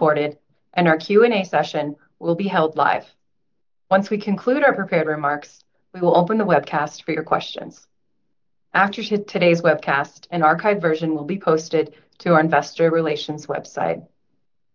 Recorded, an our Q&A session will be held live. Once nwe conclude our prepared remarks, we will open the webcast for your questions. After today's webcast, an archived version will be posted to our investor relations website.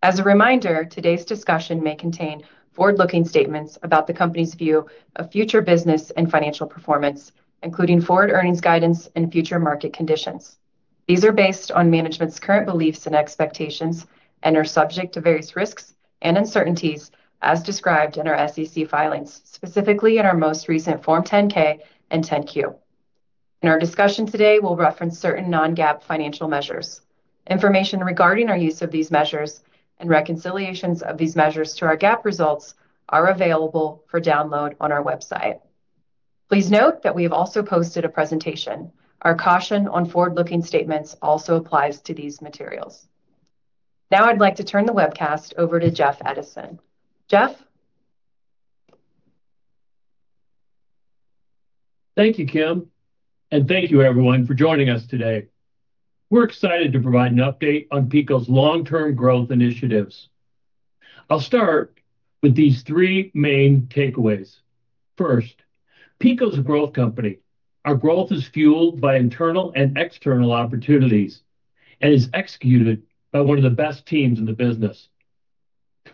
As a reminder, today's discussion may contain forward-looking statements about the company's view of future business and financial performance, including forward earnings guidance and future market conditions. These are based on management's current beliefs and expectations and are subject to various risks and uncertainties, as described in our SEC filings, specifically in our most recent Form 10-K and 10-Q. In our discussion today, we'll reference certain non-GAAP financial measures. Information regarding our use of these measures and reconciliations of these measures to our GAAP results are available for download on our website. Please note that we have also posted a presentation. Our caution on forward-looking statements also applies to these materials. Now I'd like to turn the webcast over to Jeff Edison. Jeff? Thank you, Kim, and thank you, everyone, for joining us today. We're excited to provide an update on PECO's long-term growth initiatives. I'll start with these three main takeaways. First, PECO's a growth company. Our growth is fueled by internal and external opportunities and is executed by one of the best teams in the business.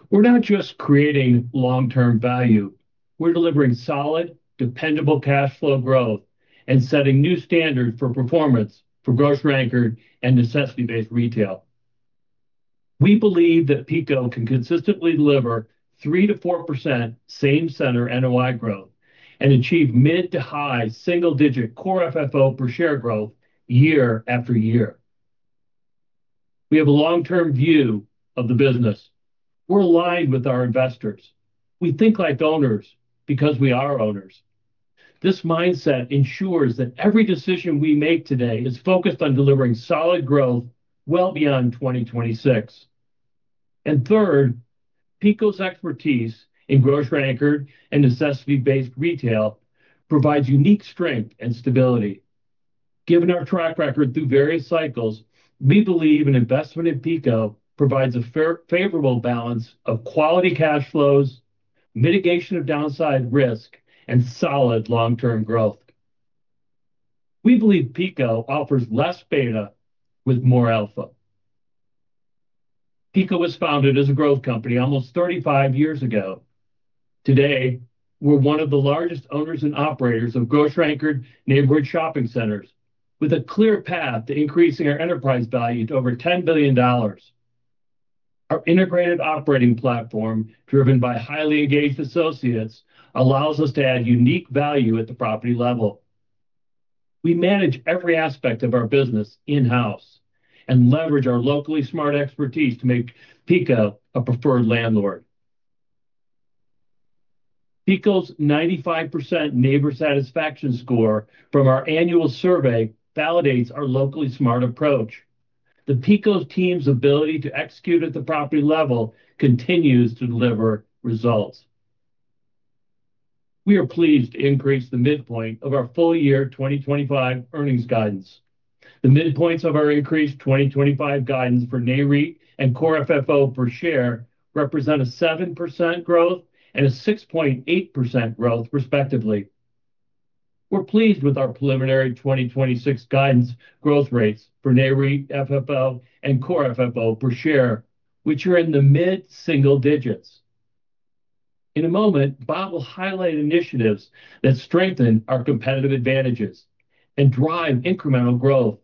We're not just creating long-term value. We're delivering solid, dependable cash flow growth and setting new standards for performance for grocery-anchored and necessity-based retail. We believe that PECO can consistently deliver 3-4% same-center NOI growth and achieve mid- to high single-digit core FFO per share growth year after year. We have a long-term view of the business. We're aligned with our investors. We think like owners because we are owners. This mindset ensures that every decision we make today is focused on delivering solid growth well beyond 2026. And third, PECO's expertise in grocer-anchored and necessity-based retail provides unique strength and stability. Given our track record through various cycles, we believe an investment in PECO provides a favorable balance of quality cash flows, mitigation of downside risk, and solid long-term growth. We believe PECO offers less beta with more alpha. PECO was founded as a growth company almost 35 years ago. Today, we're one of the largest owners and operators of grocer-anchored neighborhood shopping centers, with a clear path to increasing our enterprise value to over $10 billion. Our integrated operating platform, driven by highly engaged associates, allows us to add unique value at the property level. We manage every aspect of our business in-house and leverage our local market expertise to make PECO a preferred landlord. PECO's 95% neighbor satisfaction score from our annual survey validates our local market approach. The PECO team's ability to execute at the property level continues to deliver results. We are pleased to increase the midpoint of our full-year 2025 earnings guidance. The midpoints of our increased 2025 guidance for NAREIT and core FFO per share represent a 7% growth and a 6.8% growth, respectively. We're pleased with our preliminary 2026 guidance growth rates for NAREIT, FFO, and core FFO per share, which are in the mid-single digits. In a moment, Bob will highlight initiatives that strengthen our competitive advantages and drive incremental growth.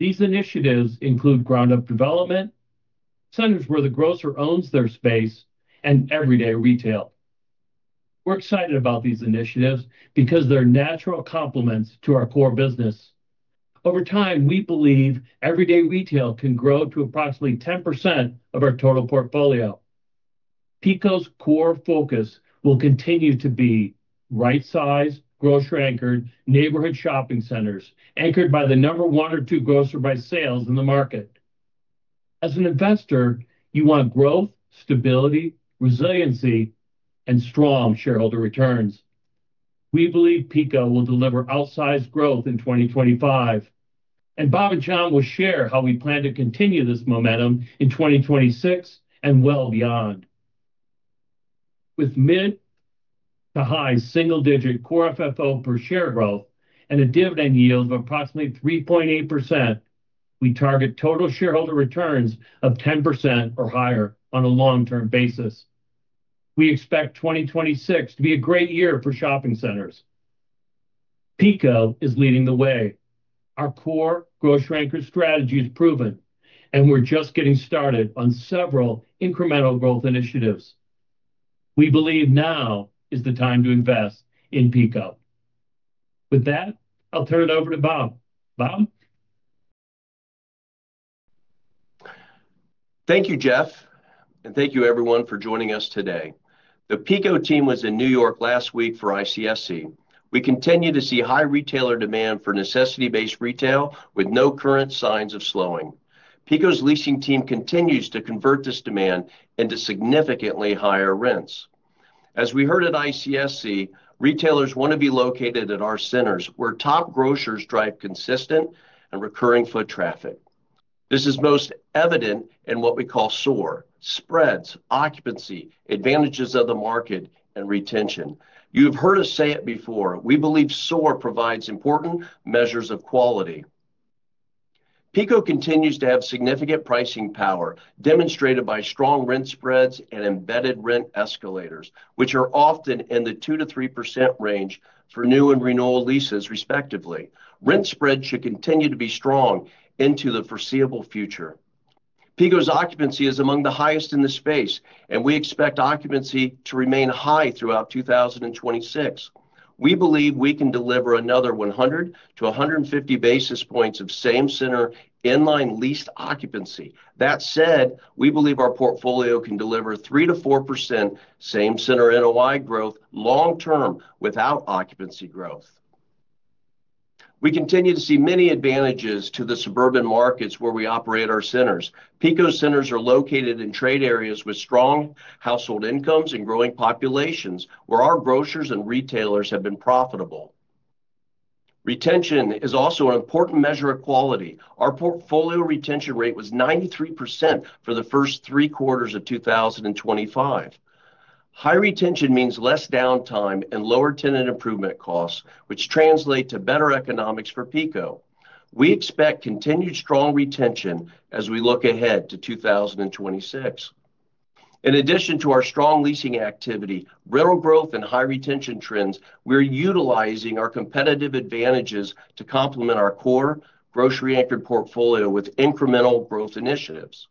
These initiatives include ground-up development, centers where the grocer owns their space, and everyday retail. We're excited about these initiatives because they're natural complements to our core business. Over time, we believe everyday retail can grow to approximately 10% of our total portfolio. PECO's core focus will continue to be right-sized, grocery-anchored neighborhood shopping centers anchored by the number one or two grocer by sales in the market. As an investor, you want growth, stability, resiliency, and strong shareholder returns. We believe PECO will deliver outsized growth in 2025, and Bob and Tom will share how we plan to continue this momentum in 2026 and well beyond. With mid to high single-digit core FFO per share growth and a dividend yield of approximately 3.8%, we target total shareholder returns of 10% or higher on a long-term basis. We expect 2026 to be a great year for shopping centers. PECO is leading the way. Our core grocery-anchor strategy is proven, and we're just getting started on several incremental growth initiatives. We believe now is the time to invest in PECO. With that, I'll turn it over to Bob. Bob? Thank you, Jeff, and thank you, everyone, for joining us today. The PECO team was in New York last week for ICSC. We continue to see high retailer demand for necessity-based retail with no current signs of slowing. PECO's leasing team continues to convert this demand into significantly higher rents. As we heard at ICSC, retailers want to be located at our centers where top grocers drive consistent and recurring foot traffic. This is most evident in what we call SOAR: spreads, occupancy, advantages of the market, and retention. You've heard us say it before. We believe SOAR provides important measures of quality. PECO continues to have significant pricing power, demonstrated by strong rent spreads and embedded rent escalators, which are often in the 2%-3% range for new and renewal leases, respectively. Rent spreads should continue to be strong into the foreseeable future. PECO's occupancy is among the highest in the space, and we expect occupancy to remain high throughout 2026. We believe we can deliver another 100-150 basis points of same-center inline leased occupancy. That said, we believe our portfolio can deliver 3-4% same-center NOI growth long-term without occupancy growth. We continue to see many advantages to the suburban markets where we operate our centers. PECO centers are located in trade areas with strong household incomes and growing populations where our grocers and retailers have been profitable. Retention is also an important measure of quality. Our portfolio retention rate was 93% for the first three quarters of 2025. High retention means less downtime and lower tenant improvement costs, which translate to better economics for PECO. We expect continued strong retention as we look ahead to 2026. In addition to our strong leasing activity, rental growth, and high retention trends, we're utilizing our competitive advantages to complement our core grocery-anchored portfolio with incremental growth initiatives.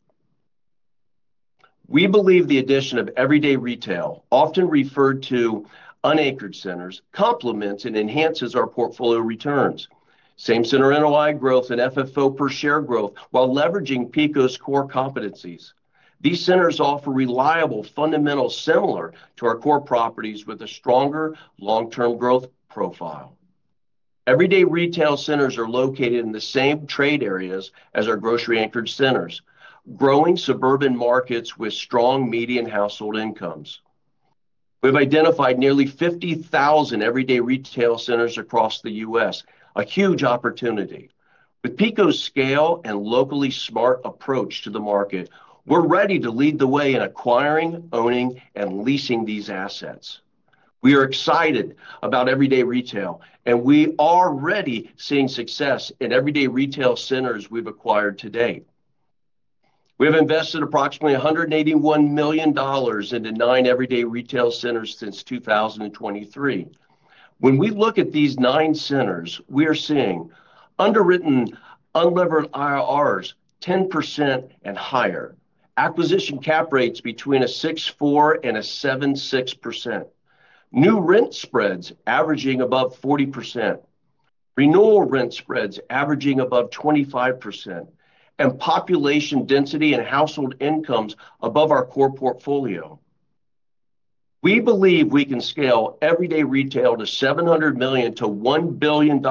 We believe the addition of everyday retail, often referred to unanchored centers, complements and enhances our portfolio returns. Same-center NOI growth and FFO per share growth while leveraging PECO's core competencies. These centers offer reliable fundamentals similar to our core properties with a stronger long-term growth profile. Everyday retail centers are located in the same trade areas as our grocery-anchored centers, growing suburban markets with strong median household incomes. We've identified nearly 50,000 everyday retail centers across the U.S., a huge opportunity. With PECO's scale and locally smart approach to the market, we're ready to lead the way in acquiring, owning, and leasing these assets. We are excited about everyday retail, and we are already seeing success in everyday retail centers we've acquired to date. We have invested approximately $181 million into nine everyday retail centers since 2023. When we look at these nine centers, we are seeing underwritten unlevered IRRs 10% and higher, acquisition cap rates between a 6.4% and a 7.6%, new rent spreads averaging above 40%, renewal rent spreads averaging above 25%, and population density and household incomes above our core portfolio. We believe we can scale everyday retail to $700 million-$1 billion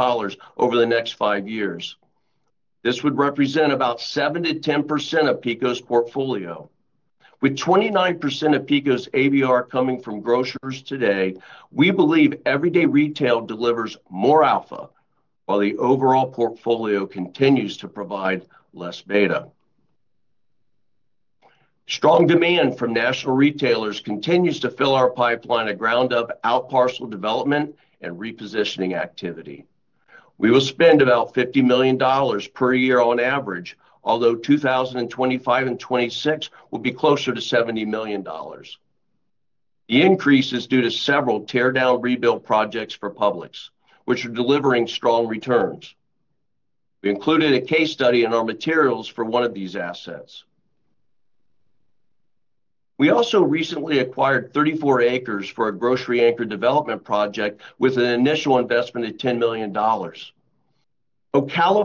over the next five years. This would represent about 7%-10% of PECO's portfolio. With 29% of PECO's ABR coming from grocers today, we believe everyday retail delivers more alpha while the overall portfolio continues to provide less beta. Strong demand from national retailers continues to fill our pipeline of ground-up outparcel development and repositioning activity. We will spend about $50 million per year on average, although 2025 and 2026 will be closer to $70 million. The increase is due to several tear-down rebuild projects for Publix, which are delivering strong returns. We included a case study in our materials for one of these assets. We also recently acquired 34 acres for a grocery-anchored development project with an initial investment of $10 million. Ocala,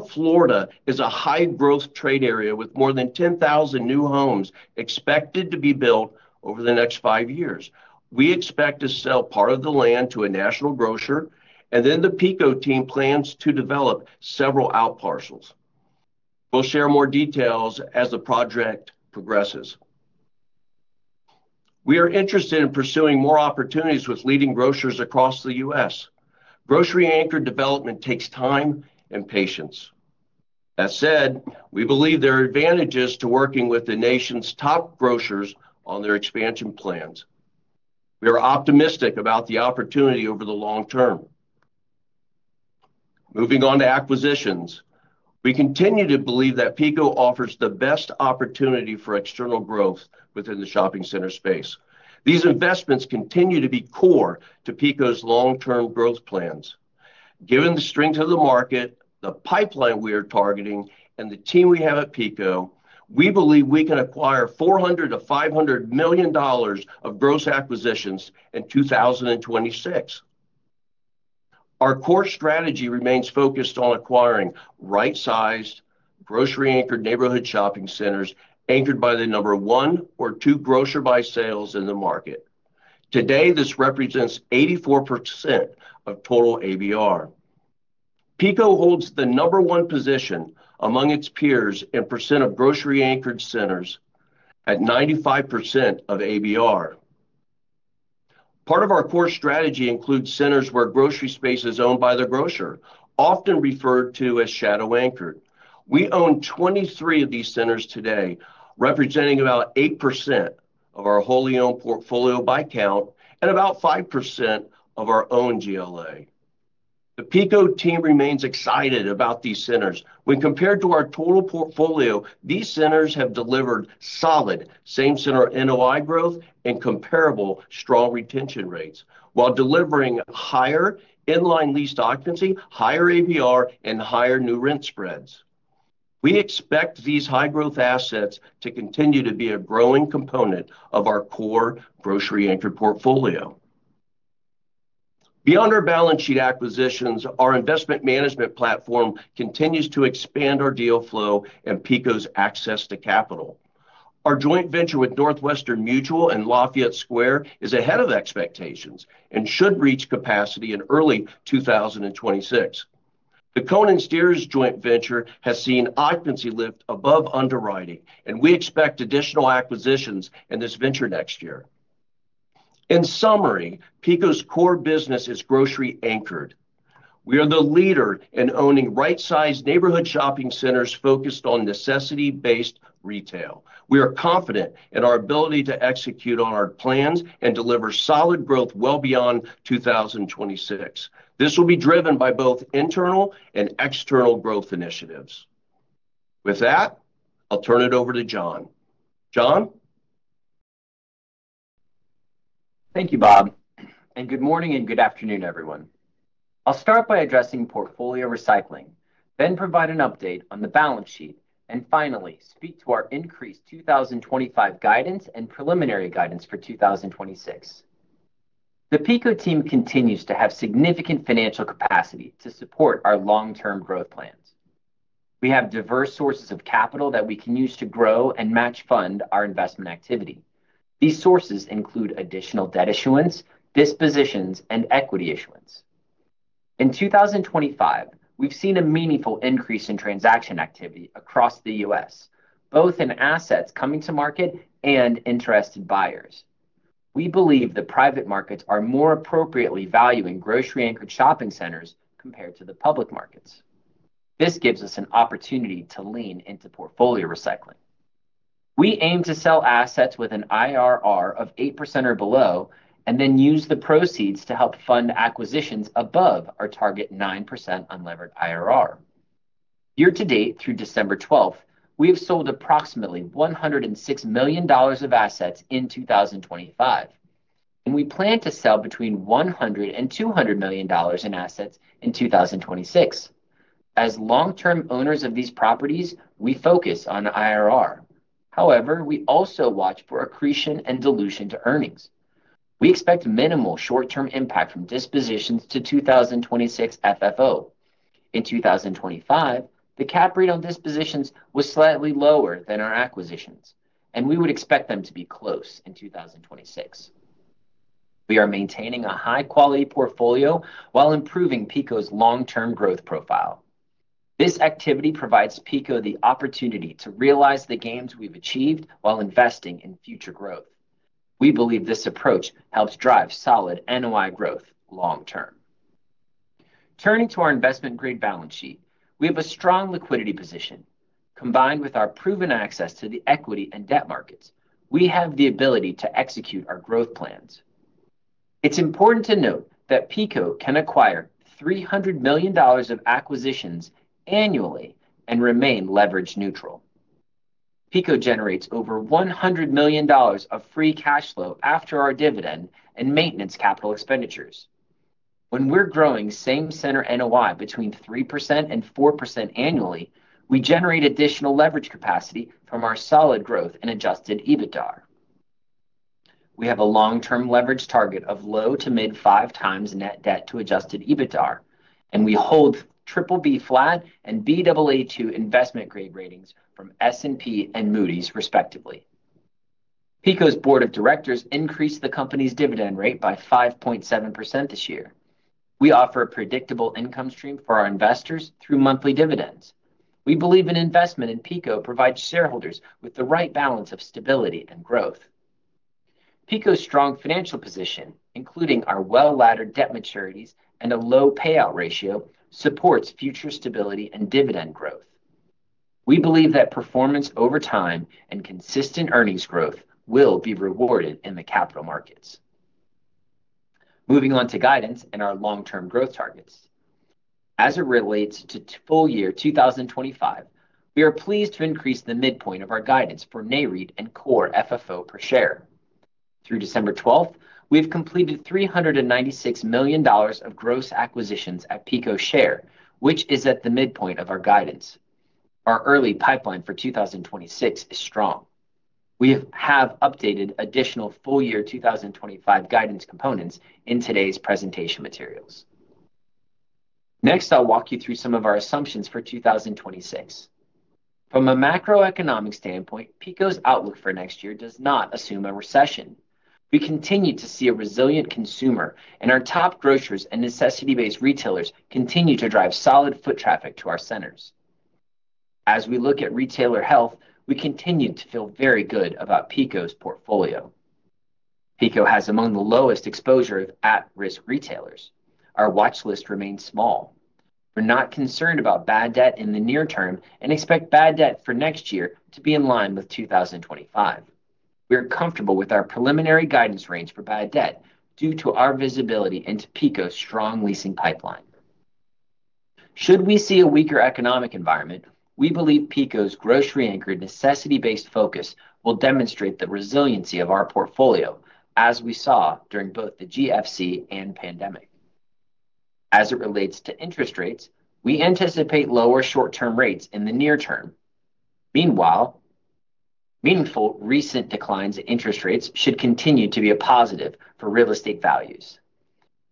Florida, is a high-growth trade area with more than 10,000 new homes expected to be built over the next five years. We expect to sell part of the land to a national grocer, and then the PECO team plans to develop several outparcels. We'll share more details as the project progresses. We are interested in pursuing more opportunities with leading grocers across the U.S. Grocery-anchored development takes time and patience. That said, we believe there are advantages to working with the nation's top grocers on their expansion plans. We are optimistic about the opportunity over the long term. Moving on to acquisitions, we continue to believe that PECO offers the best opportunity for external growth within the shopping center space. These investments continue to be core to PECO's long-term growth plans. Given the strength of the market, the pipeline we are targeting, and the team we have at PECO, we believe we can acquire $400-$500 million of gross acquisitions in 2026. Our core strategy remains focused on acquiring right-sized, grocery-anchored neighborhood shopping centers anchored by the number one or two grocer by sales in the market. Today, this represents 84% of total ABR. PECO holds the number one position among its peers in percent of grocery-anchored centers at 95% of ABR. Part of our core strategy includes centers where grocery space is owned by the grocer, often referred to as shadow-anchored. We own 23 of these centers today, representing about 8% of our wholly owned portfolio by count and about 5% of our own GLA. The PECO team remains excited about these centers. When compared to our total portfolio, these centers have delivered solid same-center NOI growth and comparable strong retention rates while delivering higher inline leased occupancy, higher ABR, and higher new rent spreads. We expect these high-growth assets to continue to be a growing component of our core grocery-anchored portfolio. Beyond our balance sheet acquisitions, our investment management platform continues to expand our deal flow and PECO's access to capital. Our joint venture with Northwestern Mutual and Lafayette Square is ahead of expectations and should reach capacity in early 2026. The Cohen & Steers joint venture has seen occupancy lift above underwriting, and we expect additional acquisitions in this venture next year. In summary, PECO's core business is grocery-anchored. We are the leader in owning right-sized neighborhood shopping centers focused on necessity-based retail. We are confident in our ability to execute on our plans and deliver solid growth well beyond 2026. This will be driven by both internal and external growth initiatives. With that, I'll turn it over to John. John? Thank you, Bob. Good morning and good afternoon, everyone. I'll start by addressing portfolio recycling, then provide an update on the balance sheet, and finally, speak to our increased 2025 guidance and preliminary guidance for 2026. The PECO team continues to have significant financial capacity to support our long-term growth plans. We have diverse sources of capital that we can use to grow and match fund our investment activity. These sources include additional debt issuance, dispositions, and equity issuance. In 2025, we've seen a meaningful increase in transaction activity across the U.S., both in assets coming to market and interested buyers. We believe the private markets are more appropriately valuing grocery-anchored shopping centers compared to the public markets. This gives us an opportunity to lean into portfolio recycling. We aim to sell assets with an IRR of 8% or below and then use the proceeds to help fund acquisitions above our target 9% unlevered IRR. Year-to-date through December 12th, we have sold approximately $106 million of assets in 2025, and we plan to sell between $100 million and $200 million in assets in 2026. As long-term owners of these properties, we focus on IRR. However, we also watch for accretion and dilution to earnings. We expect minimal short-term impact from dispositions to 2026 FFO. In 2025, the cap rate on dispositions was slightly lower than our acquisitions, and we would expect them to be close in 2026. We are maintaining a high-quality portfolio while improving PECO's long-term growth profile. This activity provides PECO the opportunity to realize the gains we've achieved while investing in future growth. We believe this approach helps drive solid NOI growth long-term. Turning to our investment-grade balance sheet, we have a strong liquidity position. Combined with our proven access to the equity and debt markets, we have the ability to execute our growth plans. It's important to note that PECO can acquire $300 million of acquisitions annually and remain leverage neutral. PECO generates over $100 million of free cash flow after our dividend and maintenance capital expenditures. When we're growing same-center NOI between 3% and 4% annually, we generate additional leverage capacity from our solid growth and adjusted EBITDA. We have a long-term leverage target of low to mid-5 times net debt to adjusted EBITDA, and we hold BBB flat and BAA2 investment-grade ratings from S&P and Moody's, respectively. PECO's board of directors increased the company's dividend rate by 5.7% this year. We offer a predictable income stream for our investors through monthly dividends. We believe an investment in PECO provides shareholders with the right balance of stability and growth. PECO's strong financial position, including our well-laddered debt maturities and a low payout ratio, supports future stability and dividend growth. We believe that performance over time and consistent earnings growth will be rewarded in the capital markets. Moving on to guidance and our long-term growth targets. As it relates to full year 2025, we are pleased to increase the midpoint of our guidance for AFFO and core FFO per share. Through December 12th, we have completed $396 million of gross acquisitions at PECO share, which is at the midpoint of our guidance. Our early pipeline for 2026 is strong. We have updated additional full year 2025 guidance components in today's presentation materials. Next, I'll walk you through some of our assumptions for 2026. From a macroeconomic standpoint, PECO's outlook for next year does not assume a recession. We continue to see a resilient consumer, and our top grocers and necessity-based retailers continue to drive solid foot traffic to our centers. As we look at retailer health, we continue to feel very good about PECO's portfolio. PECO has among the lowest exposure of at-risk retailers. Our watch list remains small. We're not concerned about bad debt in the near term and expect bad debt for next year to be in line with 2025. We are comfortable with our preliminary guidance range for bad debt due to our visibility into PECO's strong leasing pipeline. Should we see a weaker economic environment, we believe PECO's grocery-anchored necessity-based focus will demonstrate the resiliency of our portfolio, as we saw during both the GFC and pandemic. As it relates to interest rates, we anticipate lower short-term rates in the near term. Meanwhile, meaningful recent declines in interest rates should continue to be a positive for real estate values.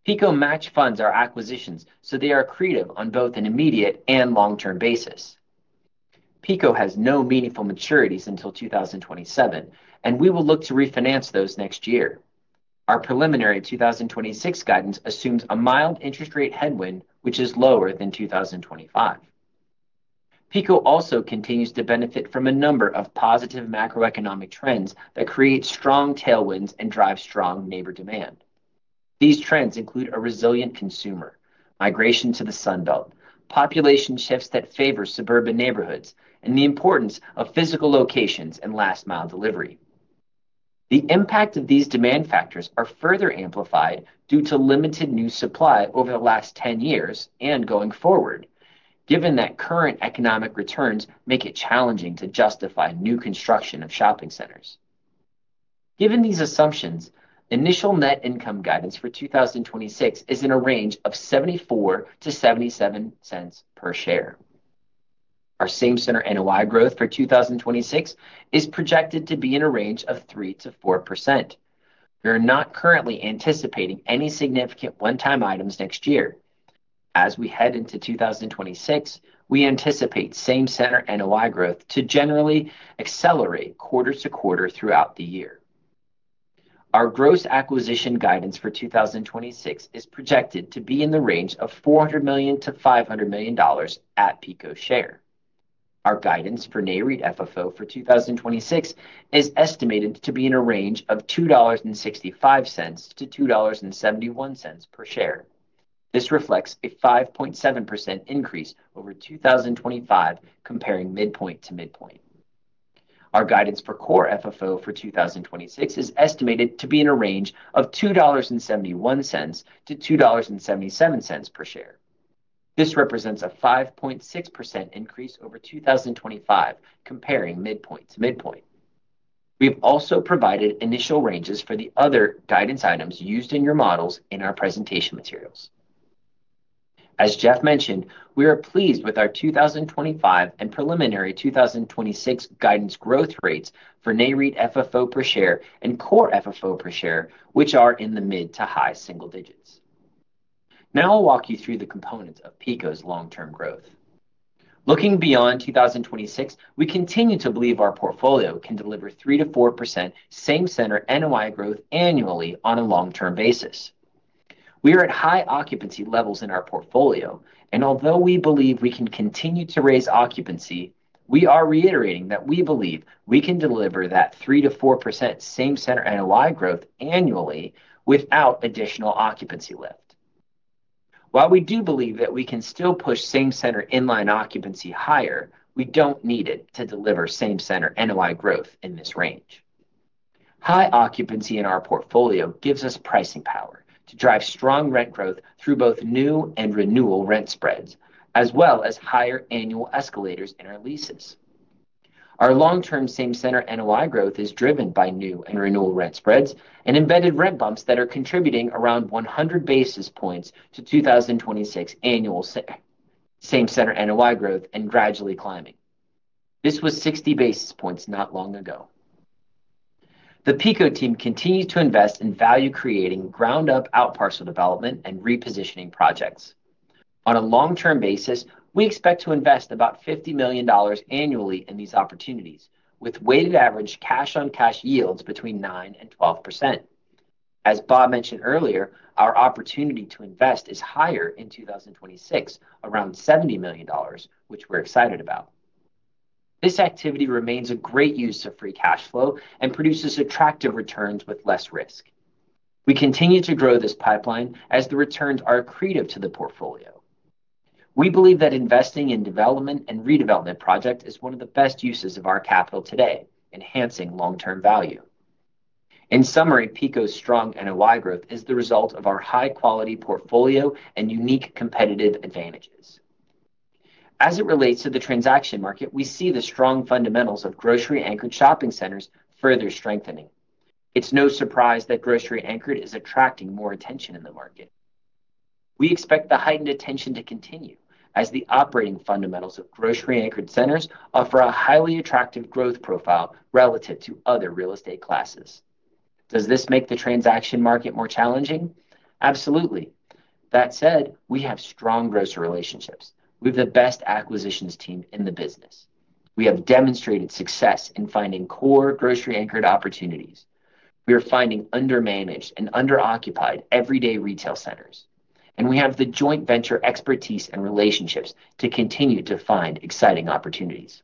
PECO match funds our acquisitions so they are accretive on both an immediate and long-term basis. PECO has no meaningful maturities until 2027, and we will look to refinance those next year. Our preliminary 2026 guidance assumes a mild interest rate headwind, which is lower than 2025. PECO also continues to benefit from a number of positive macroeconomic trends that create strong tailwinds and drive strong neighborhood demand. These trends include a resilient consumer, migration to the Sunbelt, population shifts that favor suburban neighborhoods, and the importance of physical locations and last-mile delivery. The impact of these demand factors is further amplified due to limited new supply over the last 10 years and going forward, given that current economic returns make it challenging to justify new construction of shopping centers. Given these assumptions, initial net income guidance for 2026 is in a range of $0.74-$0.77 per share. Our same-center NOI growth for 2026 is projected to be in a range of 3%-4%. We are not currently anticipating any significant one-time items next year. As we head into 2026, we anticipate same-center NOI growth to generally accelerate quarter to quarter throughout the year. Our gross acquisition guidance for 2026 is projected to be in the range of $400 million-$500 million at PECO share. Our guidance for NAREIT FFO for 2026 is estimated to be in a range of $2.65-$2.71 per share. This reflects a 5.7% increase over 2025 comparing midpoint to midpoint. Our guidance for Core FFO for 2026 is estimated to be in a range of $2.71-$2.77 per share. This represents a 5.6% increase over 2025 comparing midpoint to midpoint. We have also provided initial ranges for the other guidance items used in your models in our presentation materials. As Jeff mentioned, we are pleased with our 2025 and preliminary 2026 guidance growth rates for NAREIT FFO per share and Core FFO per share, which are in the mid to high single digits. Now I'll walk you through the components of PECO's long-term growth. Looking beyond 2026, we continue to believe our portfolio can deliver 3%-4% Same-Center NOI growth annually on a long-term basis. We are at high occupancy levels in our portfolio, and although we believe we can continue to raise occupancy, we are reiterating that we believe we can deliver that 3% to 4% same-center NOI growth annually without additional occupancy lift. While we do believe that we can still push same-center inline occupancy higher, we don't need it to deliver same-center NOI growth in this range. High occupancy in our portfolio gives us pricing power to drive strong rent growth through both new and renewal rent spreads, as well as higher annual escalators in our leases. Our long-term same-center NOI growth is driven by new and renewal rent spreads and embedded rent bumps that are contributing around 100 basis points to 2026 annual same-center NOI growth and gradually climbing. This was 60 basis points not long ago. The PECO team continues to invest in value-creating ground-up outparcel development and repositioning projects. On a long-term basis, we expect to invest about $50 million annually in these opportunities, with weighted average cash-on-cash yields between 9% and 12%. As Bob mentioned earlier, our opportunity to invest is higher in 2026, around $70 million, which we're excited about. This activity remains a great use of free cash flow and produces attractive returns with less risk. We continue to grow this pipeline as the returns are accretive to the portfolio. We believe that investing in development and redevelopment projects is one of the best uses of our capital today, enhancing long-term value. In summary, PECO's strong NOI growth is the result of our high-quality portfolio and unique competitive advantages. As it relates to the transaction market, we see the strong fundamentals of grocery-anchored shopping centers further strengthening. It's no surprise that grocery-anchored is attracting more attention in the market. We expect the heightened attention to continue as the operating fundamentals of grocery-anchored centers offer a highly attractive growth profile relative to other real estate classes. Does this make the transaction market more challenging? Absolutely. That said, we have strong grocery relationships. We have the best acquisitions team in the business. We have demonstrated success in finding core grocery-anchored opportunities. We are finding under-managed and under-occupied everyday retail centers, and we have the joint venture expertise and relationships to continue to find exciting opportunities.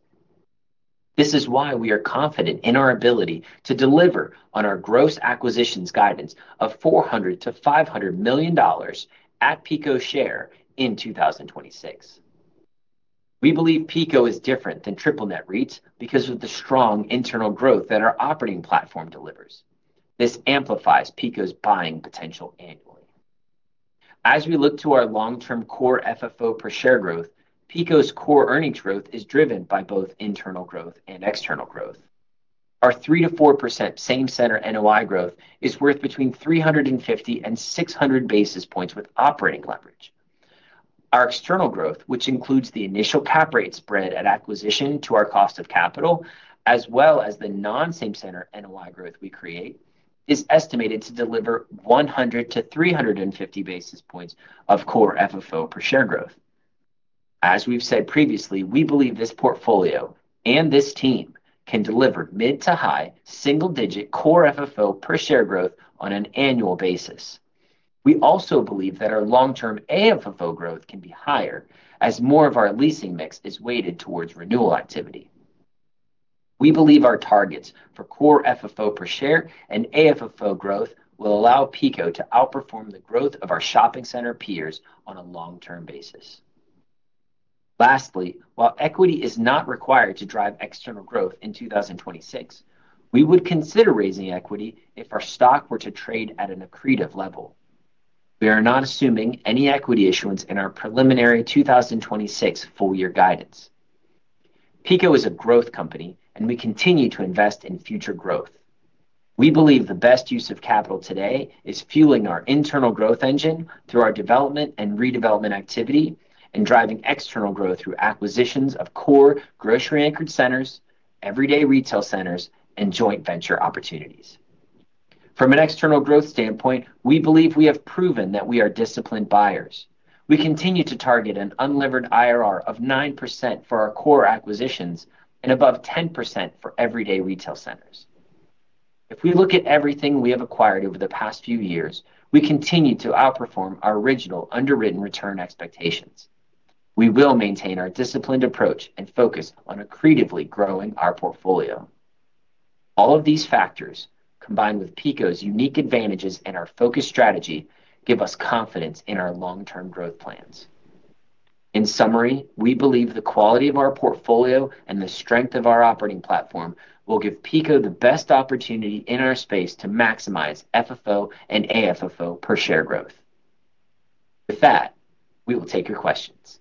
This is why we are confident in our ability to deliver on our gross acquisitions guidance of $400-$500 million per PECO share in 2026. We believe PECO is different than Triple Net REITs because of the strong internal growth that our operating platform delivers. This amplifies PECO's buying potential annually. As we look to our long-term core FFO per share growth, PECO's core earnings growth is driven by both internal growth and external growth. Our 3% to 4% same-center NOI growth is worth between 350 and 600 basis points with operating leverage. Our external growth, which includes the initial cap rate spread at acquisition to our cost of capital, as well as the non-same-center NOI growth we create, is estimated to deliver 100 to 350 basis points of core FFO per share growth. As we've said previously, we believe this portfolio and this team can deliver mid to high single-digit core FFO per share growth on an annual basis. We also believe that our long-term AFFO growth can be higher as more of our leasing mix is weighted towards renewal activity. We believe our targets for core FFO per share and AFFO growth will allow PECO to outperform the growth of our shopping center peers on a long-term basis. Lastly, while equity is not required to drive external growth in 2026, we would consider raising equity if our stock were to trade at an accretive level. We are not assuming any equity issuance in our preliminary 2026 full year guidance. PECO is a growth company, and we continue to invest in future growth. We believe the best use of capital today is fueling our internal growth engine through our development and redevelopment activity and driving external growth through acquisitions of core grocery-anchored centers, everyday retail centers, and joint venture opportunities. From an external growth standpoint, we believe we have proven that we are disciplined buyers. We continue to target an unlevered IRR of 9% for our core acquisitions and above 10% for everyday retail centers. If we look at everything we have acquired over the past few years, we continue to outperform our original underwritten return expectations. We will maintain our disciplined approach and focus on accretively growing our portfolio. All of these factors, combined with PECO's unique advantages and our focused strategy, give us confidence in our long-term growth plans. In summary, we believe the quality of our portfolio and the strength of our operating platform will give PECO the best opportunity in our space to maximize FFO and AFFO per share growth. With that, we will take your questions.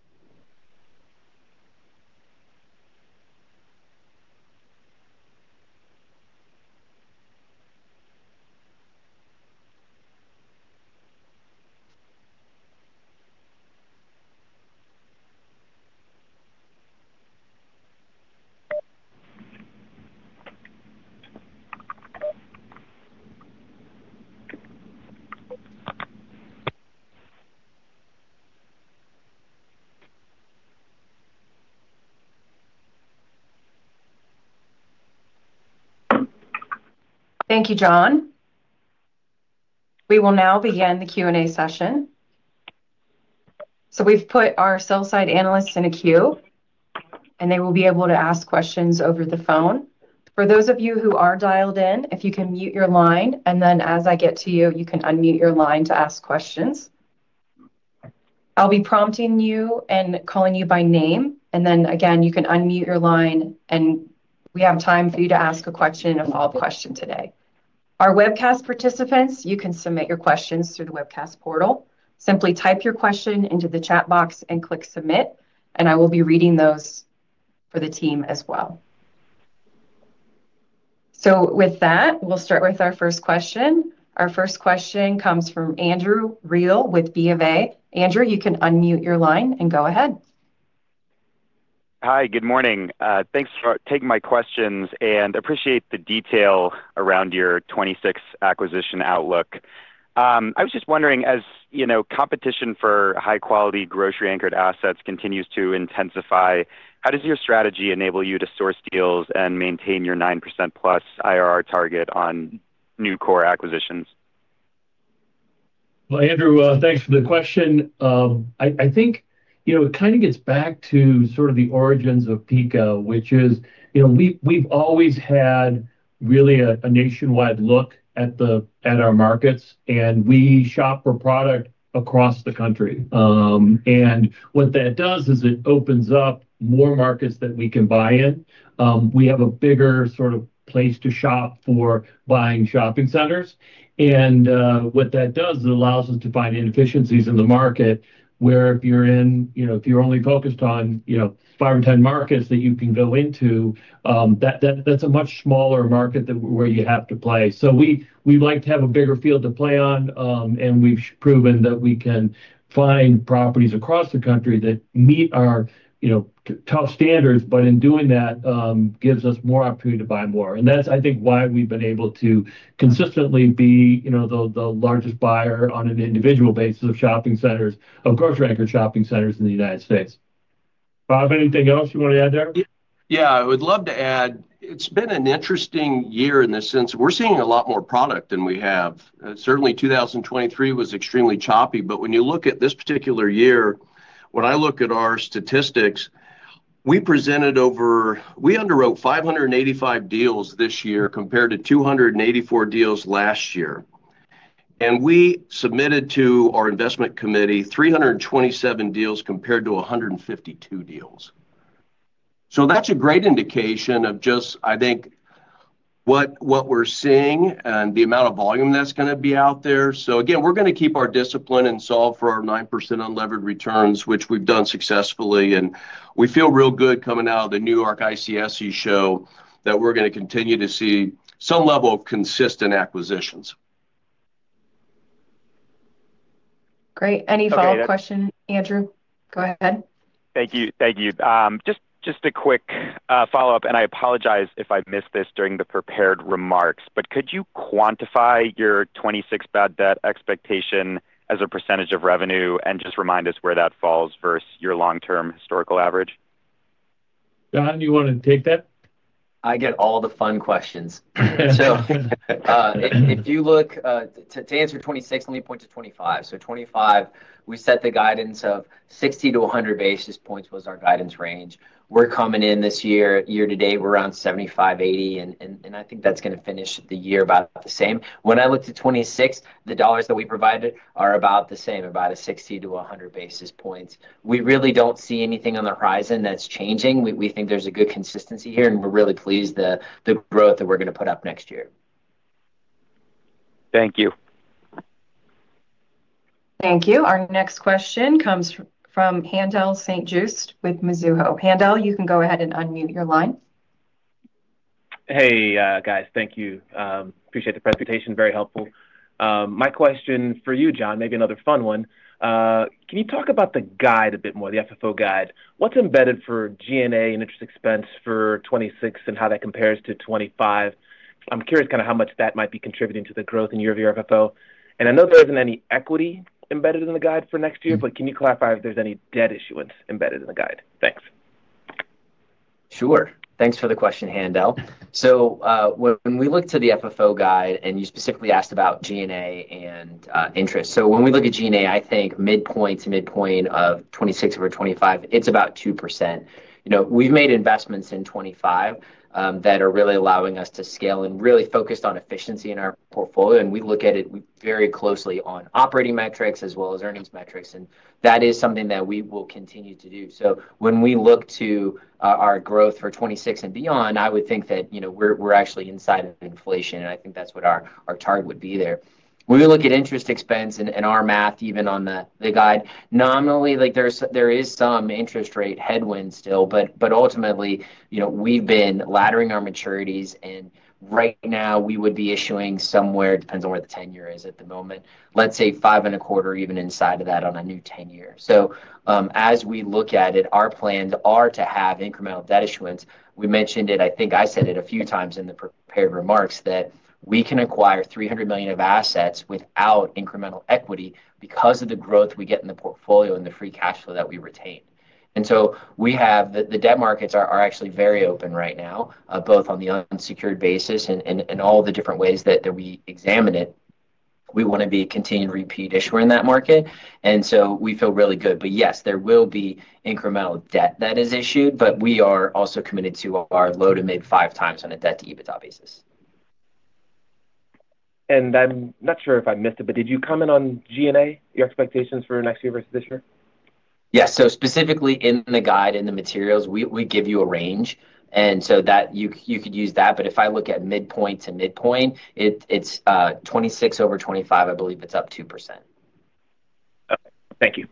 Thank you, John. We will now begin the Q&A session. So we've put our sell-side analysts in a queue, and they will be able to ask questions over the phone. For those of you who are dialed in, if you can mute your line, and then as I get to you, you can unmute your line to ask questions. I'll be prompting you and calling you by name, and then again, you can unmute your line, and we have time for you to ask a question and a follow-up question today. Our webcast participants, you can submit your questions through the webcast portal. Simply type your question into the chat box and click submit, and I will be reading those for the team as well. So with that, we'll start with our first question. Our first question comes from Andrew Real with B of A. Andrew, you can unmute your line and go ahead. Hi, good morning. Thanks for taking my questions and appreciate the detail around your 2026 acquisition outlook. I was just wondering, as competition for high-quality grocery-anchored assets continues to intensify, how does your strategy enable you to source deals and maintain your 9% plus IRR target on new core acquisitions? Well, Andrew, thanks for the question. I think it kind of gets back to sort of the origins of PECO, which is we've always had really a nationwide look at our markets, and we shop for product across the country. And what that does is it opens up more markets that we can buy in. We have a bigger sort of place to shop for buying shopping centers. And what that does is it allows us to find inefficiencies in the market where if you're in, if you're only focused on five or 10 markets that you can go into, that's a much smaller market where you have to play. So we like to have a bigger field to play on, and we've proven that we can find properties across the country that meet our top standards, but in doing that gives us more opportunity to buy more. And that's, I think, why we've been able to consistently be the largest buyer on an individual basis of shopping centers, of grocery-anchored shopping centers in the United States. Bob, anything else you want to add there? Yeah, I would love to add. It's been an interesting year in the sense. We're seeing a lot more product than we have. Certainly, 2023 was extremely choppy, but when you look at this particular year, when I look at our statistics, we presented over, we underwrote 585 deals this year compared to 284 deals last year. And we submitted to our investment committee 327 deals compared to 152 deals. That's a great indication of just, I think, what we're seeing and the amount of volume that's going to be out there. So again, we're going to keep our discipline and solve for our 9% unlevered returns, which we've done successfully. And we feel real good coming out of the New York ICSC show that we're going to continue to see some level of consistent acquisitions. Great. Any follow-up question, Andrew? Go ahead. Thank you. Thank you. Just a quick follow-up, and I apologize if I missed this during the prepared remarks, but could you quantify your 2026 bad debt expectation as a percentage of revenue and just remind us where that falls versus your long-term historical average? John, you wanted to take that? I get all the fun questions. So if you look to answer 2026, let me point to 2025. So 2025, we set the guidance of 60 to 100 basis points was our guidance range. We're coming in this year, year to date, we're around 75, 80, and I think that's going to finish the year about the same. When I look to 2026, the dollars that we provided are about the same, about a 60 to 100 basis points. We really don't see anything on the horizon that's changing. We think there's a good consistency here, and we're really pleased with the growth that we're going to put up next year. Thank you. Thank you. Our next question comes from Haendel St. Juste with Mizuho. Haendel, you can go ahead and unmute your line. Hey, guys. Thank you. Appreciate the presentation. Very helpful. My question for you, John, maybe another fun one. Can you talk about the guide a bit more, the FFO guide? What's embedded for G&A and interest expense for 2026 and how that compares to 2025? I'm curious kind of how much that might be contributing to the growth in your view of FFO. And I know there isn't any equity embedded in the guide for next year, but can you clarify if there's any debt issuance embedded in the guide? Thanks. Sure. Thanks for the question, Haendel. So when we look to the FFO guide, and you specifically asked about G&A and interest. So when we look at G&A, I think midpoint to midpoint of 2026 over 2025, it's about 2%. We've made investments in 2025 that are really allowing us to scale and really focus on efficiency in our portfolio, and we look at it very closely on operating metrics as well as earnings metrics, and that is something that we will continue to do. When we look to our growth for 2026 and beyond, I would think that we're actually inside of inflation, and I think that's what our target would be there. When we look at interest expense and our math, even on the guide, nominally, there is some interest rate headwinds still, but ultimately, we've been laddering our maturities, and right now, we would be issuing somewhere, it depends on where the 10-year is at the moment, let's say 5.25% even inside of that on a new 10-year. So as we look at it, our plans are to have incremental debt issuance. We mentioned it, I think I said it a few times in the prepared remarks, that we can acquire $300 million of assets without incremental equity because of the growth we get in the portfolio and the free cash flow that we retain. And so we have the debt markets are actually very open right now, both on the unsecured basis and all the different ways that we examine it. We want to be a continued repeat issuer in that market, and so we feel really good. But yes, there will be incremental debt that is issued, but we are also committed to our low to mid five times on a debt-to-EBITDA basis. And I'm not sure if I missed it, but did you comment on G&A, your expectations for next year versus this year? Yes. So specifically in the guide, in the materials, we give you a range, and so that you could use that. But if I look at midpoint to midpoint, it's 2026 over 2025, I believe it's up 2%. Okay. Thank you.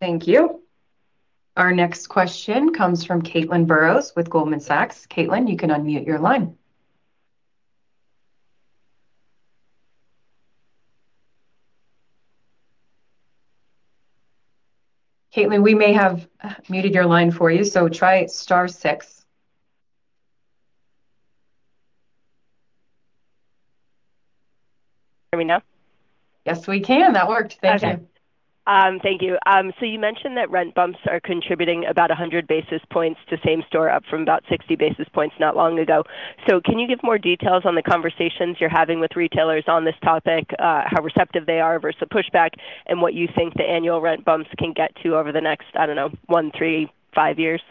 Thank you. Our next question comes from Caitlin Burrows with Goldman Sachs. Caitlin, you can unmute your line. Caitlin, we may have muted your line for you, so try star six. Are we now? Yes, we can. That worked. Thank you. Thank you. So you mentioned that rent bumps are contributing about 100 basis points to same store up from about 60 basis points not long ago. So can you give more details on the conversations you're having with retailers on this topic, how receptive they are versus the pushback, and what you think the annual rent bumps can get to over the next, I don't know, one, three, five years?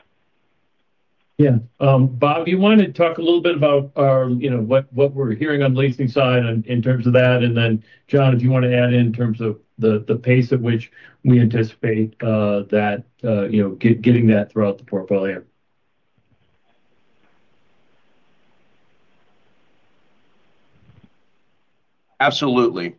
Yeah. Bob, do you want to talk a little bit about what we're hearing on the leasing side in terms of that? And then, John, if you want to add in terms of the pace at which we anticipate that getting that throughout the portfolio. Absolutely.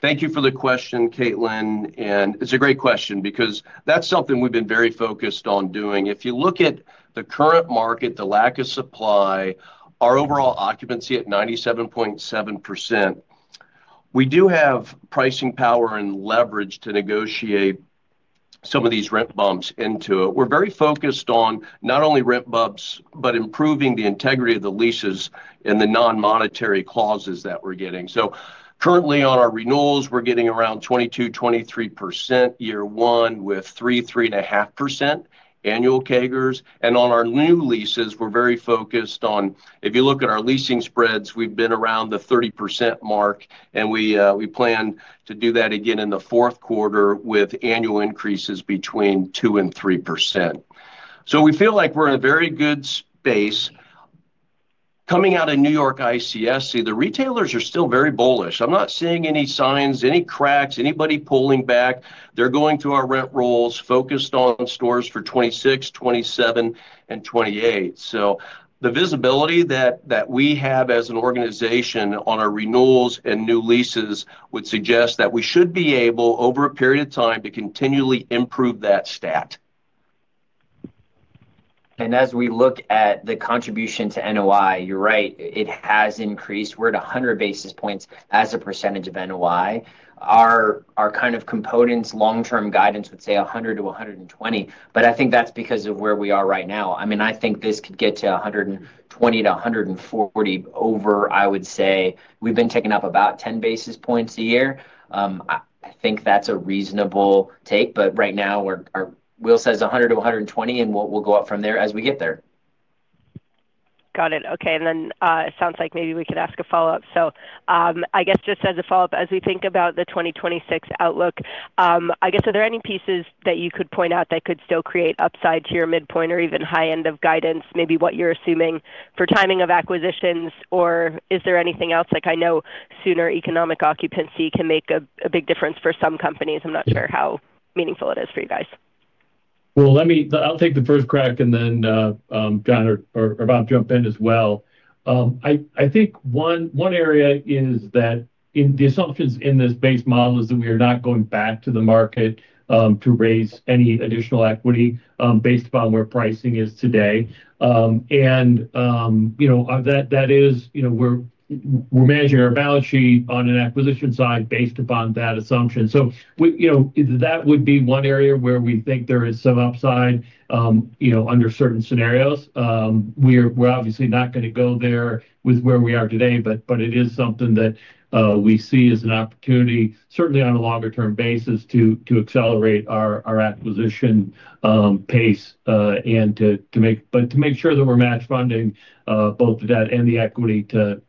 Thank you for the question, Caitlin. It's a great question because that's something we've been very focused on doing. If you look at the current market, the lack of supply, our overall occupancy at 97.7%, we do have pricing power and leverage to negotiate some of these rent bumps into it. We're very focused on not only rent bumps, but improving the integrity of the leases and the non-monetary clauses that we're getting. Currently, on our renewals, we're getting around 22%-23% year one with 3%-3.5% annual CAGRs. On our new leases, we're very focused on, if you look at our leasing spreads, we've been around the 30% mark, and we plan to do that again in the fourth quarter with annual increases between 2% and 3%. We feel like we're in a very good space. Coming out of New York ICSC, the retailers are still very bullish. I'm not seeing any signs, any cracks, anybody pulling back. They're going through our rent rolls, focused on stores for 2026, 2027, and 2028, so the visibility that we have as an organization on our renewals and new leases would suggest that we should be able, over a period of time, to continually improve that stat. And as we look at the contribution to NOI, you're right, it has increased. We're at 100 basis points as a percentage of NOI. Our kind of components, long-term guidance would say 100-120, but I think that's because of where we are right now. I mean, I think this could get to 120-140 over, I would say, we've been taking up about 10 basis points a year. I think that's a reasonable take, but right now, our wheel says 100-120, and we'll go up from there as we get there. Got it. Okay. And then it sounds like maybe we could ask a follow-up. So I guess just as a follow-up, as we think about the 2026 outlook, I guess, are there any pieces that you could point out that could still create upside to your midpoint or even high end of guidance, maybe what you're assuming for timing of acquisitions, or is there anything else? I know sooner economic occupancy can make a big difference for some companies. I'm not sure how meaningful it is for you guys. Well, I'll take the first crack, and then John or Bob jump in as well. I think one area is that the assumptions in this base model is that we are not going back to the market to raise any additional equity based upon where pricing is today, and that is, we're managing our balance sheet on an acquisition side based upon that assumption, so that would be one area where we think there is some upside under certain scenarios. We're obviously not going to go there with where we are today, but it is something that we see as an opportunity, certainly on a longer-term basis, to accelerate our acquisition pace and to make sure that we're matched funding both the debt and the equity to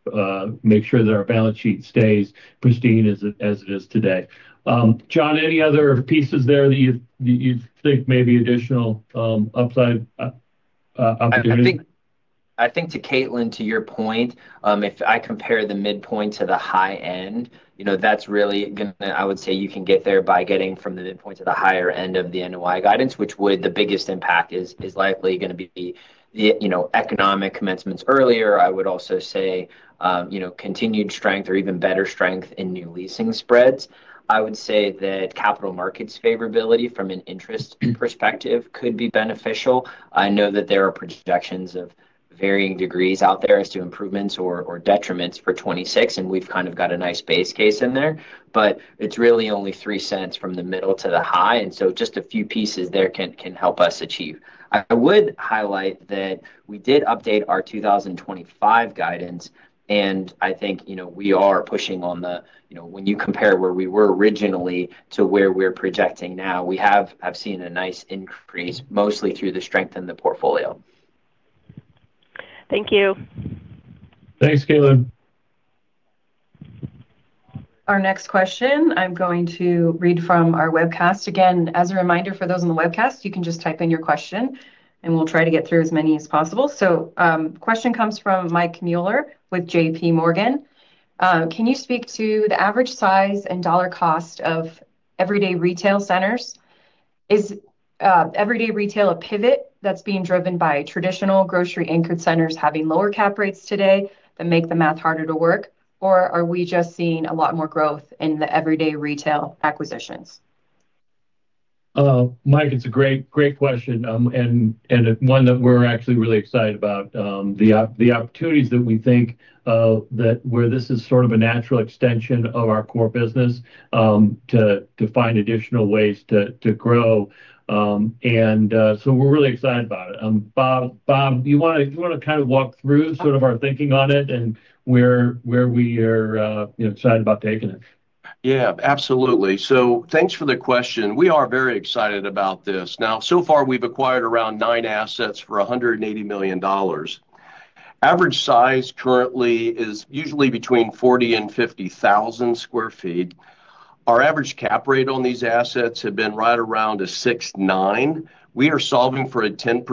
make sure that our balance sheet stays pristine as it is today. John, any other pieces there that you think maybe additional upside opportunity? I think to Caitlin, to your point, if I compare the midpoint to the high end, that's really going to, I would say you can get there by getting from the midpoint to the higher end of the NOI guidance, which would the biggest impact is likely going to be the economic commencements earlier. I would also say continued strength or even better strength in new leasing spreads. I would say that capital markets favorability from an interest perspective could be beneficial. I know that there are projections of varying degrees out there as to improvements or detriments for 2026, and we've kind of got a nice base case in there, but it's really only $0.03 from the middle to the high. So just a few pieces there can help us achieve. I would highlight that we did update our 2025 guidance, and I think we are pushing on the when you compare where we were originally to where we're projecting now, we have seen a nice increase mostly through the strength in the portfolio. Thank you. Thanks, Caitlin. Our next question, I'm going to read from our webcast. Again, as a reminder for those on the webcast, you can just type in your question, and we'll try to get through as many as possible. So question comes from Mike Mueller with JP Morgan. Can you speak to the average size and dollar cost of everyday retail centers? Is everyday retail a pivot that's being driven by traditional grocery-anchored centers having lower cap rates today that make the math harder to work, or are we just seeing a lot more growth in the everyday retail acquisitions? Mike, it's a great question and one that we're actually really excited about. The opportunities that we think that where this is sort of a natural extension of our core business to find additional ways to grow, and so we're really excited about it. Bob, do you want to kind of walk through sort of our thinking on it and where we are excited about taking it? Yeah, absolutely, so thanks for the question. We are very excited about this. Now, so far, we've acquired around nine assets for $180 million. Average size currently is usually between 40 and 50 thousand sq ft. Our average cap rate on these assets has been right around 6.9%. We are solving for a 10%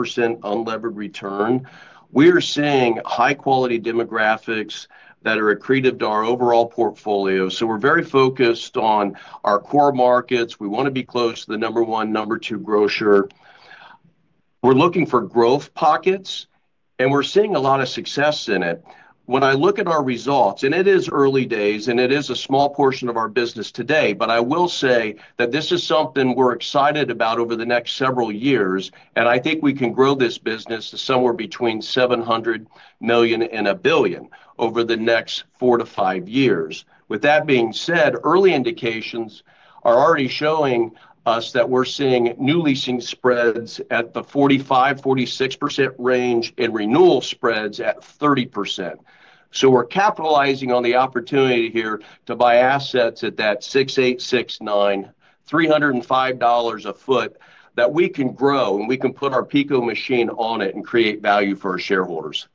unlevered return. We are seeing high-quality demographics that are accretive to our overall portfolio. So we're very focused on our core markets. We want to be close to the number one, number two grocer. We're looking for growth pockets, and we're seeing a lot of success in it. When I look at our results, and it is early days, and it is a small portion of our business today, but I will say that this is something we're excited about over the next several years, and I think we can grow this business to somewhere between $700 million and $1 billion over the next four to five years. With that being said, early indications are already showing us that we're seeing new leasing spreads at the 45-46% range and renewal spreads at 30%. So we're capitalizing on the opportunity here to buy assets at that 6.869, $305 a sq ft that we can grow, and we can put our PECO machine on it and create value for our shareholders.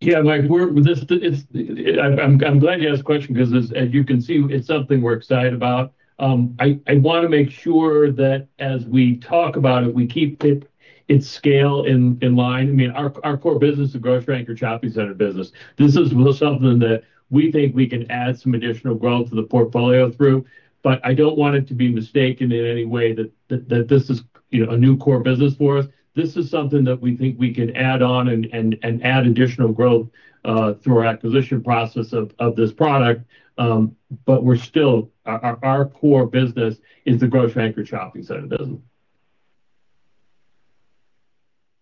Yeah. I'm glad you asked the question because, as you can see, it's something we're excited about. I want to make sure that as we talk about it, we keep its scale in line. I mean, our core business is a grocery-anchored shopping center business. This is something that we think we can add some additional growth to the portfolio through, but I don't want it to be mistaken in any way that this is a new core business for us. This is something that we think we can add on and add additional growth through our acquisition process of this product, but we're still our core business is the grocery-anchored shopping center business.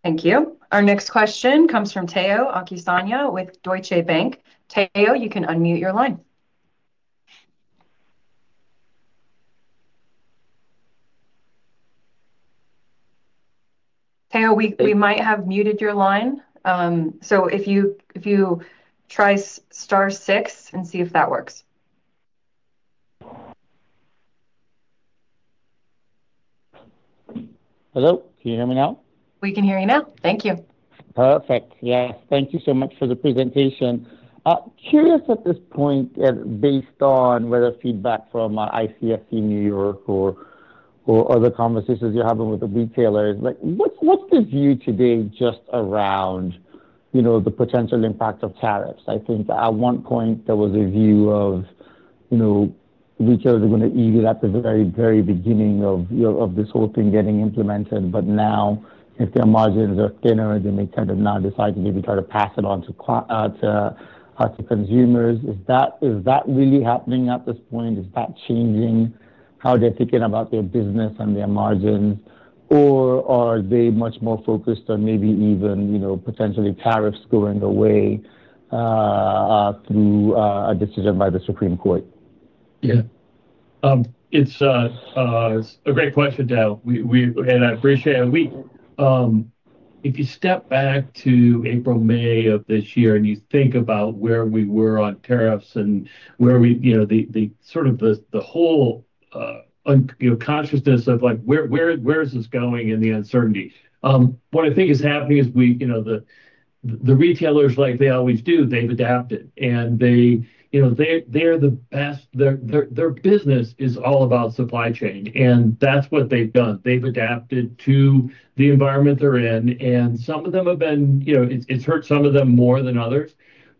Thank you. Our next question comes from Tayo Okusanya with Deutsche Bank. Tayo, you can unmute your line. Tayo, we might have muted your line. So if you try star six and see if that works. Hello? Can you hear me now? We can hear you now. Thank you. Perfect. Yes. Thank you so much for the presentation. Curious at this point, based on whether feedback from ICSC New York or other conversations you're having with the retailers, what's the view today just around the potential impact of tariffs? I think at one point, there was a view of retailers are going to ease it at the very, very beginning of this whole thing getting implemented, but now, if their margins are thinner, they may kind of now decide to maybe try to pass it on to consumers. Is that really happening at this point? Is that changing how they're thinking about their business and their margins, or are they much more focused on maybe even potentially tariffs going away through a decision by the Supreme Court? Yeah. It's a great question, Dale. And I appreciate it. If you step back to April, May of this year and you think about where we were on tariffs and where the sort of the whole consciousness of where is this going in the uncertainty, what I think is happening is the retailers, like they always do, they've adapted, and they're the best. Their business is all about supply chain, and that's what they've done. They've adapted to the environment they're in, and some of them have been hurt more than others.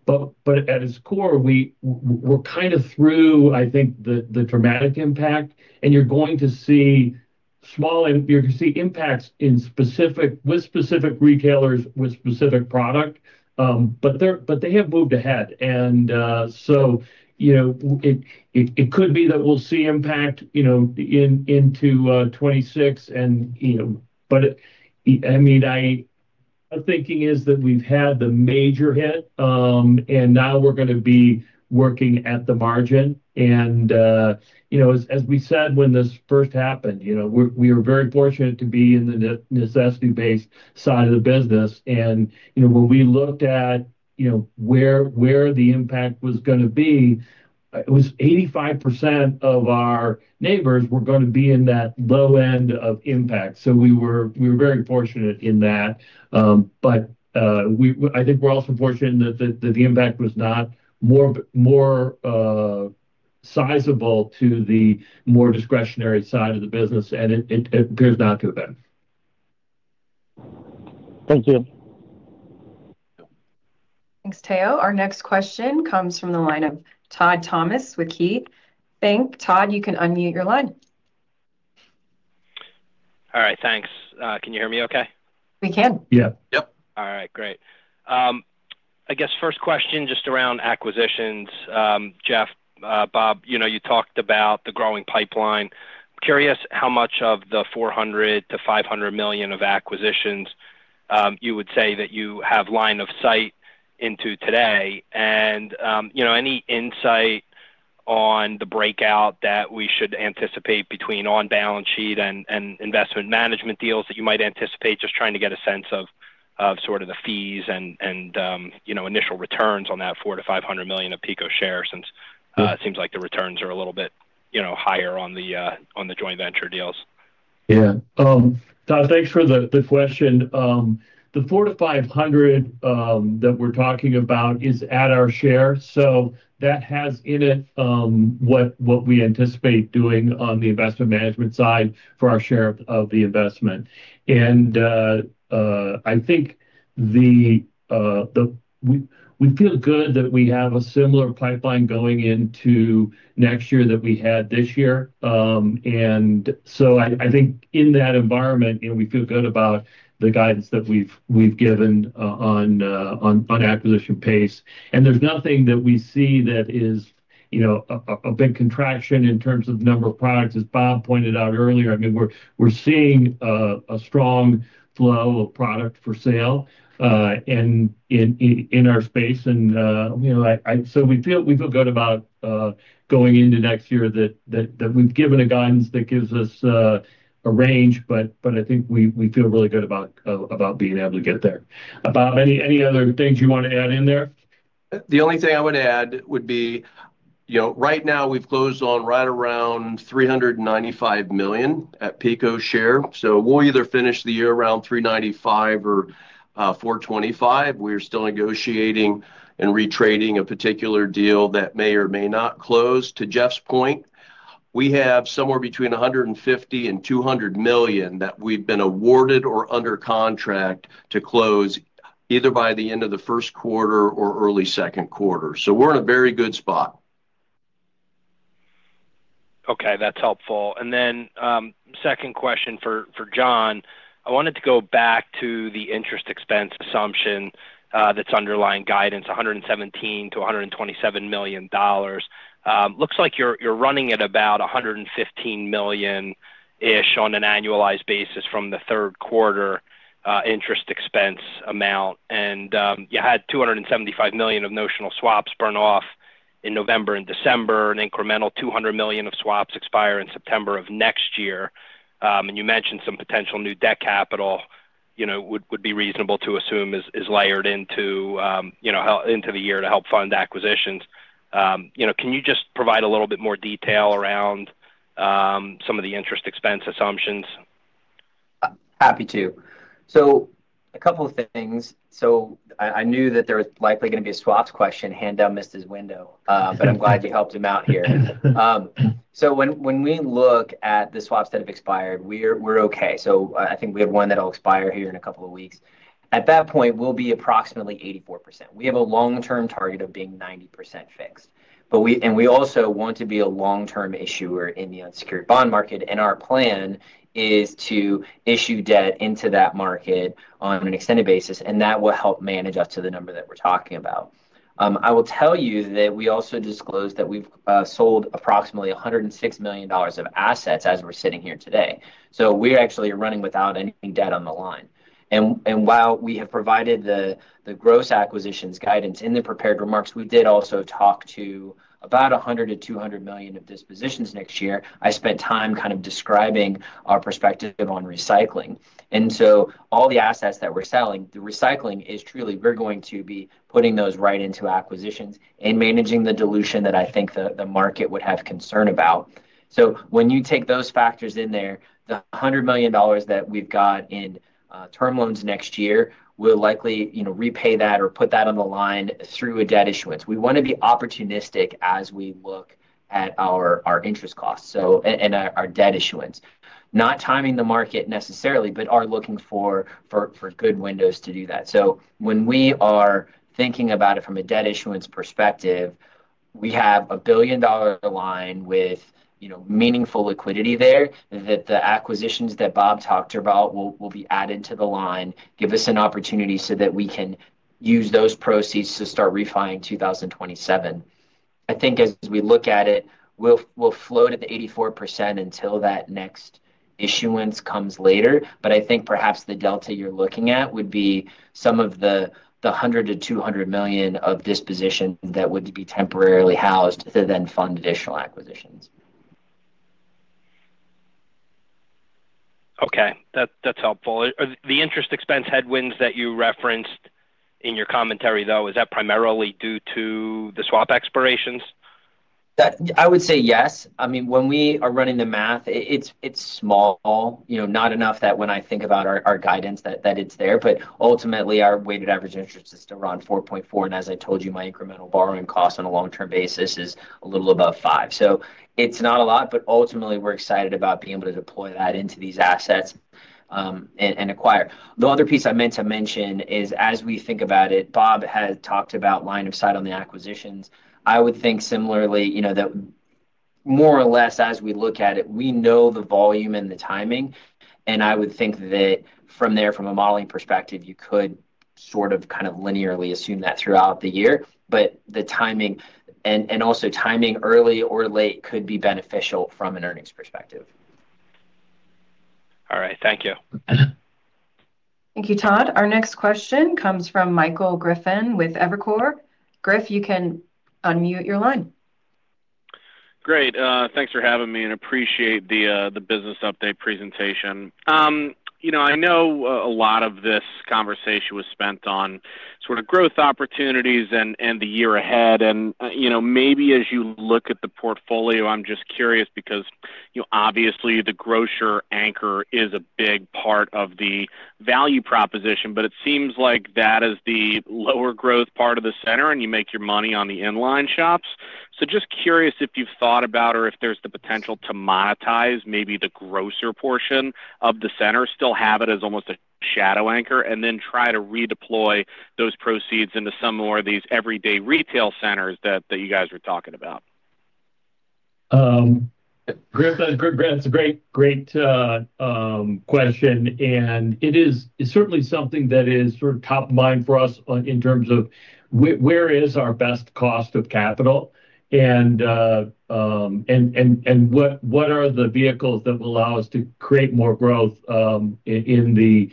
But at its core, we're kind of through, I think, the dramatic impact, and you're going to see small impacts with specific retailers with specific product, but they have moved ahead. And so it could be that we'll see impact into 2026, but I mean, our thinking is that we've had the major hit, and now we're going to be working at the margin. As we said when this first happened, we were very fortunate to be in the necessity-based side of the business. And when we looked at where the impact was going to be, it was 85% of our neighbors were going to be in that low end of impact. So we were very fortunate in that. But I think we're also fortunate that the impact was not more sizable to the more discretionary side of the business, and it appears not to have been. Thank you. Thanks, Tayo. Our next question comes from the line of Todd Thomas with KeyBanc. Thanks, Todd, you can unmute your line. All right. Thanks. Can you hear me okay? We can. Yeah. Yep. All right. Great. I guess first question just around acquisitions. Jeff, Bob, you talked about the growing pipeline. I'm curious how much of the $400-$500 million of acquisitions you would say that you have line of sight into today, and any insight on the breakout that we should anticipate between on-balance sheet and investment management deals that you might anticipate, just trying to get a sense of sort of the fees and initial returns on that $400-$500 million of PECO share since it seems like the returns are a little bit higher on the joint venture deals. Yeah. Todd, thanks for the question. The $400-$500 that we're talking about is at our share. So that has in it what we anticipate doing on the investment management side for our share of the investment. And I think we feel good that we have a similar pipeline going into next year that we had this year. And so I think in that environment, we feel good about the guidance that we've given on acquisition pace. And there's nothing that we see that is a big contraction in terms of number of products, as Bob pointed out earlier. I mean, we're seeing a strong flow of product for sale in our space. And so we feel good about going into next year that we've given a guidance that gives us a range, but I think we feel really good about being able to get there. Bob, any other things you want to add in there? The only thing I would add would be right now we've closed on right around $395 million at PECO share. So we'll either finish the year around $395 million or $425 million. We're still negotiating and retrading a particular deal that may or may not close. To Jeff's point, we have somewhere between $150 million and $200 million that we've been awarded or under contract to close either by the end of the first quarter or early second quarter. So we're in a very good spot. Okay. That's helpful, and then second question for John, I wanted to go back to the interest expense assumption that's underlying guidance, $117 million-$127 million. Looks like you're running at about $115 million-ish on an annualized basis from the third quarter interest expense amount, and you had $275 million of notional swaps burn off in November and December, an incremental $200 million of swaps expire in September of next year, and you mentioned some potential new debt capital would be reasonable to assume is layered into the year to help fund acquisitions. Can you just provide a little bit more detail around some of the interest expense assumptions? Happy to. So a couple of things. So I knew that there was likely going to be a swaps question handed down Mr. Window, but I'm glad you helped him out here. So when we look at the swaps that have expired, we're okay. So I think we have one that will expire here in a couple of weeks. At that point, we'll be approximately 84%. We have a long-term target of being 90% fixed. And we also want to be a long-term issuer in the unsecured bond market, and our plan is to issue debt into that market on an extended basis, and that will help manage up to the number that we're talking about. I will tell you that we also disclosed that we've sold approximately $106 million of assets as we're sitting here today. So we're actually running without any debt on the line. And while we have provided the gross acquisitions guidance in the prepared remarks, we did also talked about $100-$200 million of dispositions next year. I spent time kind of describing our perspective on recycling. And so all the assets that we're selling, the recycling is truly we're going to be putting those right into acquisitions and managing the dilution that I think the market would have concern about. So when you take those factors in there, the $100 million that we've got in term loans next year will likely repay that or put that on the line through a debt issuance. We want to be opportunistic as we look at our interest costs and our debt issuance. Not timing the market necessarily, but are looking for good windows to do that. So when we are thinking about it from a debt issuance perspective, we have a $1 billion line with meaningful liquidity there that the acquisitions that Bob talked about will be added to the line, give us an opportunity so that we can use those proceeds to start refinancing 2027. I think as we look at it, we'll float at the 84% until that next issuance comes later, but I think perhaps the delta you're looking at would be some of the $100 million-$200 million of disposition that would be temporarily housed to then fund additional acquisitions. Okay. That's helpful. The interest expense headwinds that you referenced in your commentary, though, is that primarily due to the swap expirations? I would say yes. I mean, when we are running the math, it's small, not enough that when I think about our guidance that it's there, but ultimately, our weighted average interest is around 4.4, and as I told you, my incremental borrowing cost on a long-term basis is a little above 5, so it's not a lot, but ultimately, we're excited about being able to deploy that into these assets and acquire. The other piece I meant to mention is as we think about it, Bob had talked about line of sight on the acquisitions. I would think similarly that more or less as we look at it, we know the volume and the timing. And I would think that from there, from a modeling perspective, you could sort of kind of linearly assume that throughout the year, but the timing and also timing early or late could be beneficial from an earnings perspective. All right. Thank you. Thank you, Todd. Our next question comes from Michael Griffin with Evercore. Griff, you can unmute your line. Great. Thanks for having me and appreciate the business update presentation. I know a lot of this conversation was spent on sort of growth opportunities and the year ahead. And maybe as you look at the portfolio, I'm just curious because obviously, the grocery anchor is a big part of the value proposition, but it seems like that is the lower growth part of the center and you make your money on the inline shops. So just curious if you've thought about or if there's the potential to monetize maybe the grocer portion of the center, still have it as almost a shadow anchor, and then try to redeploy those proceeds into some more of these everyday retail centers that you guys were talking about. That's a great question. And it is certainly something that is sort of top of mind for us in terms of where is our best cost of capital and what are the vehicles that will allow us to create more growth in the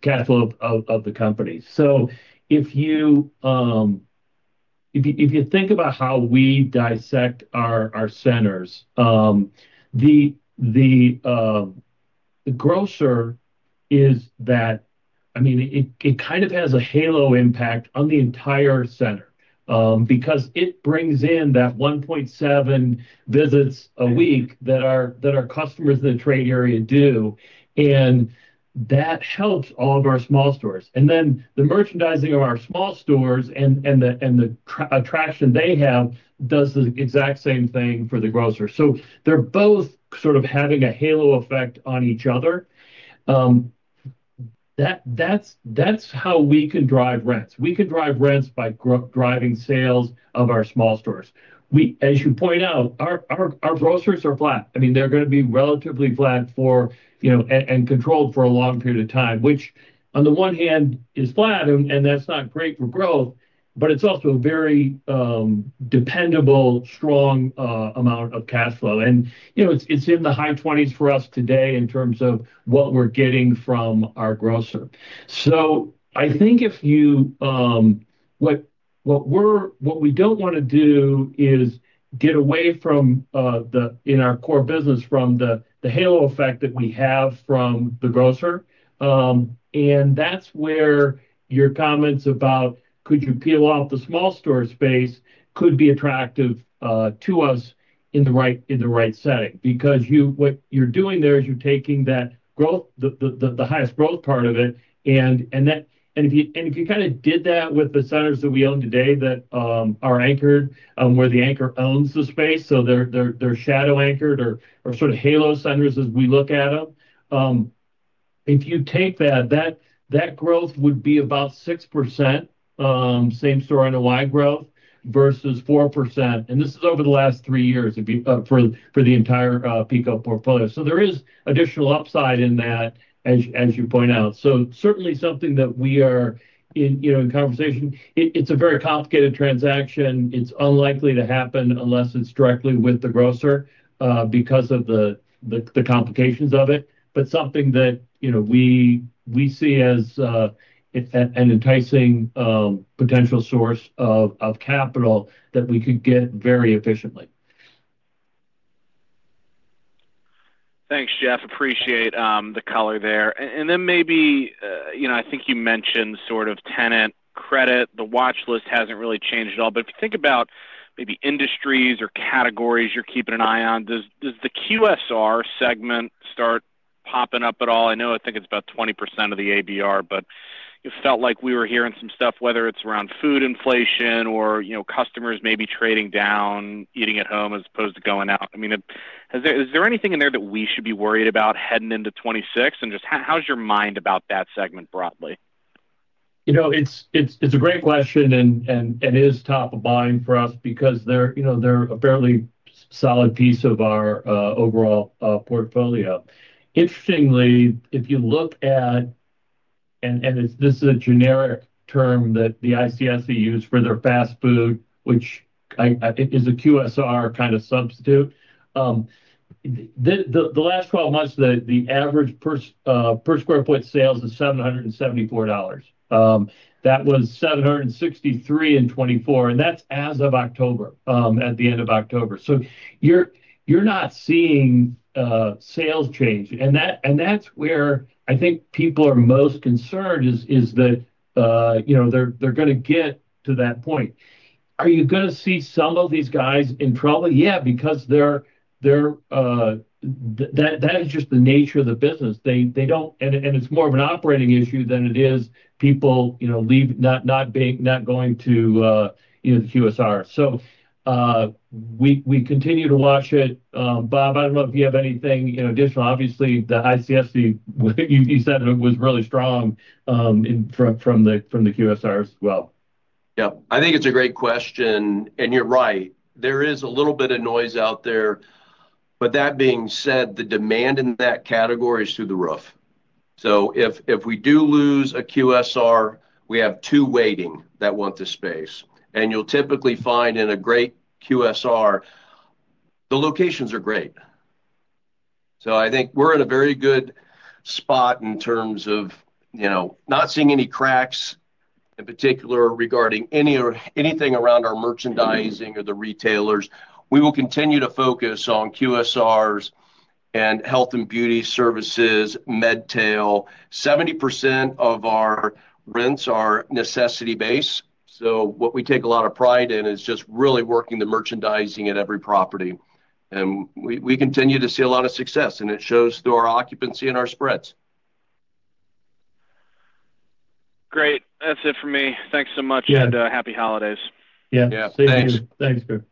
capital of the company. So if you think about how we dissect our centers, the grocer is that, I mean, it kind of has a halo impact on the entire center because it brings in that 1.7 visits a week that our customers in the trade area do, and that helps all of our small stores. And then the merchandising of our small stores and the attraction they have does the exact same thing for the grocer. So they're both sort of having a halo effect on each other. That's how we can drive rents. We can drive rents by driving sales of our small stores. As you point out, our grocers are flat. I mean, they're going to be relatively flat and controlled for a long period of time, which on the one hand is flat, and that's not great for growth, but it's also a very dependable, strong amount of cash flow. And it's in the high 20s for us today in terms of what we're getting from our grocer. So I think if you what we don't want to do is get away from in our core business from the halo effect that we have from the grocer. That's where your comments about could you peel off the small store space could be attractive to us in the right setting because what you're doing there is you're taking the highest growth part of it. If you kind of did that with the centers that we own today that are anchored where the anchor owns the space, so they're shadow-anchored or sort of halo centers as we look at them, if you take that, that growth would be about 6%, same story on the NOI growth versus 4%. This is over the last three years for the entire PECO portfolio. There is additional upside in that, as you point out. Certainly something that we are in conversation. It's a very complicated transaction. It's unlikely to happen unless it's directly with the grocer because of the complications of it, but something that we see as an enticing potential source of capital that we could get very efficiently. Thanks, Jeff. Appreciate the color there. And then maybe I think you mentioned sort of tenant credit. The watch list hasn't really changed at all. But if you think about maybe industries or categories you're keeping an eye on, does the QSR segment start popping up at all? I know I think it's about 20% of the ABR, but it felt like we were hearing some stuff, whether it's around food inflation or customers maybe trading down, eating at home as opposed to going out. I mean, is there anything in there that we should be worried about heading into 2026? And just how's your mind about that segment broadly? It's a great question and is top of mind for us because they're a fairly solid piece of our overall portfolio. Interestingly, if you look at, and this is a generic term that the ICSC used for their fast food, which is a QSR kind of substitute, the last 12 months, the average per sq ft sales is $774. That was 763 in 2024, and that's as of October, at the end of October. So you're not seeing sales change. And that's where I think people are most concerned is that they're going to get to that point. Are you going to see some of these guys in trouble? Yeah, because that is just the nature of the business. And it's more of an operating issue than it is people not going to the QSR. So we continue to watch it. Bob, I don't know if you have anything additional. Obviously, the ICSC, you said it was really strong from the QSR as well. Yeah. I think it's a great question. And you're right. There is a little bit of noise out there. But that being said, the demand in that category is through the roof. So if we do lose a QSR, we have two waiting that want this space. And you'll typically find in a great QSR, the locations are great. So I think we're in a very good spot in terms of not seeing any cracks in particular regarding anything around our merchandising or the retailers. We will continue to focus on QSRs and health and beauty services, medtail. 70% of our rents are necessity-based. So what we take a lot of pride in is just really working the merchandising at every property. And we continue to see a lot of success, and it shows through our occupancy and our spreads. Great. That's it for me. Thanks so much and happy holidays. Yeah. Thanks. Thanks, Griff.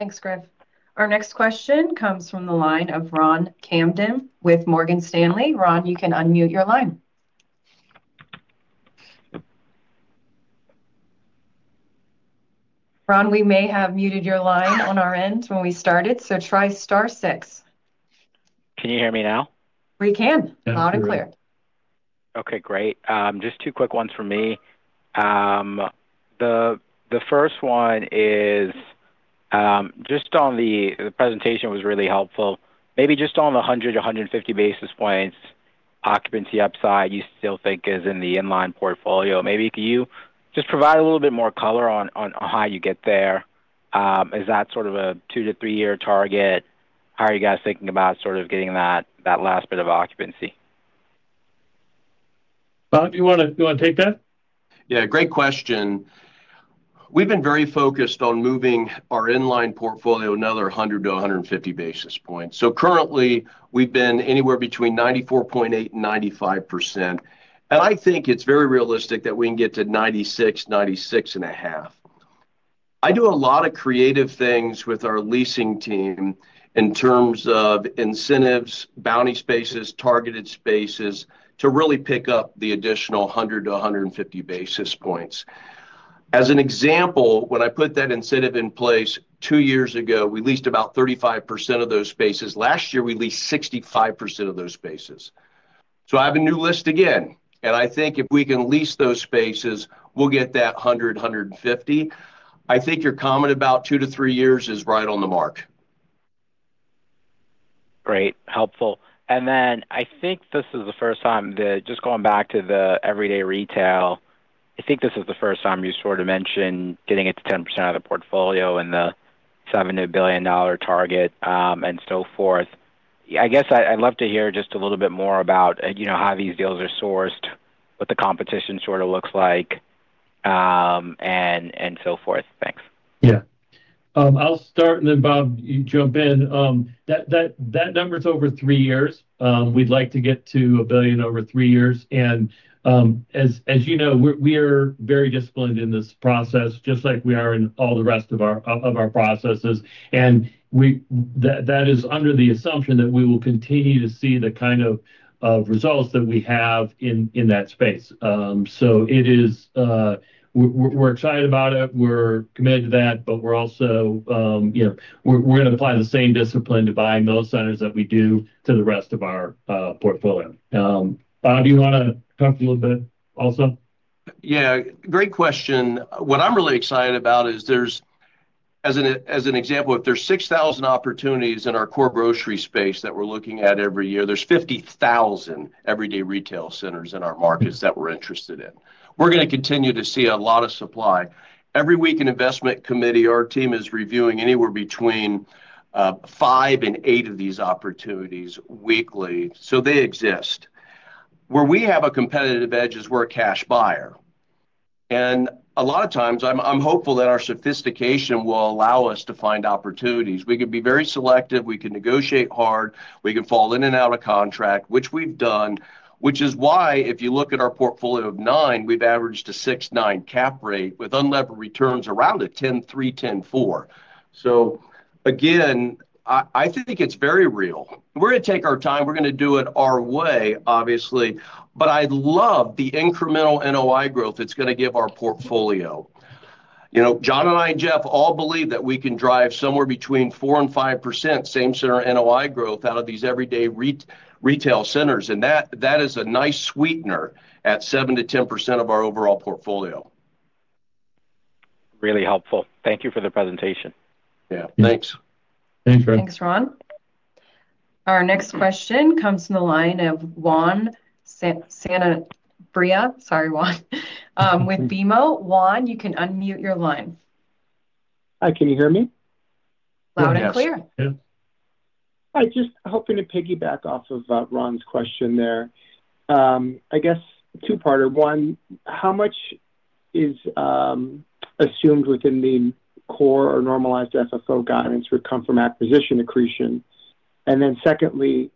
Thanks, Griff. Our next question comes from the line of Ronald Kamdem with Morgan Stanley. Ron, you can unmute your line. Ron, we may have muted your line on our end when we started, so try star six. Can you hear me now? We can. Loud and clear. Okay. Great. Just two quick ones for me. The first one is just on the presentation was really helpful. Maybe just on the 100-150 basis points occupancy upside, you still think is in the inline portfolio. Maybe could you just provide a little bit more color on how you get there? Is that sort of a two to three-year target? How are you guys thinking about sort of getting that last bit of occupancy? Bob, do you want to take that? Yeah. Great question. We've been very focused on moving our inline portfolio another 100-150 basis points. So currently, we've been anywhere between 94.8% and 95%. And I think it's very realistic that we can get to 96%-96.5%. I do a lot of creative things with our leasing team in terms of incentives, bounty spaces, targeted spaces to really pick up the additional 100-150 basis points. As an example, when I put that incentive in place two years ago, we leased about 35% of those spaces. Last year, we leased 65% of those spaces. So I have a new list again. And I think if we can lease those spaces, we'll get that 100-150. I think your comment about two to three years is right on the mark. Great. Helpful. And then I think this is the first time that just going back to the everyday retail, I think this is the first time you sort of mentioned getting it to 10% of the portfolio and the $7 billion target and so forth. I guess I'd love to hear just a little bit more about how these deals are sourced, what the competition sort of looks like, and so forth. Thanks. Yeah. I'll start, and then Bob, you jump in. That number's over three years. We'd like to get to $1 billion over three years. And as you know, we are very disciplined in this process, just like we are in all the rest of our processes. That is under the assumption that we will continue to see the kind of results that we have in that space. So we're excited about it. We're committed to that, but we're also going to apply the same discipline to buying those centers that we do to the rest of our portfolio. Bob, do you want to talk a little bit also? Yeah. Great question. What I'm really excited about is, as an example, if there's 6,000 opportunities in our core grocery space that we're looking at every year, there's 50,000 everyday retail centers in our markets that we're interested in. We're going to continue to see a lot of supply. Every week, an investment committee, our team is reviewing anywhere between five and eight of these opportunities weekly. So they exist. Where we have a competitive edge is we're a cash buyer. A lot of times, I'm hopeful that our sophistication will allow us to find opportunities. We can be very selective. We can negotiate hard. We can fall in and out of contract, which we've done, which is why if you look at our portfolio of nine, we've averaged a 6%-9% cap rate with unlevered returns around a 10.3-10.4. So again, I think it's very real. We're going to take our time. We're going to do it our way, obviously. But I love the incremental NOI growth it's going to give our portfolio. John and I and Jeff all believe that we can drive somewhere between 4% and 5% same center NOI growth out of these everyday retail centers. And that is a nice sweetener at 7%-10% of our overall portfolio. Really helpful. Thank you for the presentation. Yeah. Thanks. Thanks, Ron. Thanks, Ron. Our next question comes from the line of Juan Sanabria. Sorry, Juan. With BMO. Juan, you can unmute your line. Hi. Can you hear me? Loud and clear. Yeah. I'm just hoping to piggyback off of Ron's question there. I guess two-parter. One, how much is assumed within the core or normalized FFO guidance would come from acquisition accretion? And then secondly,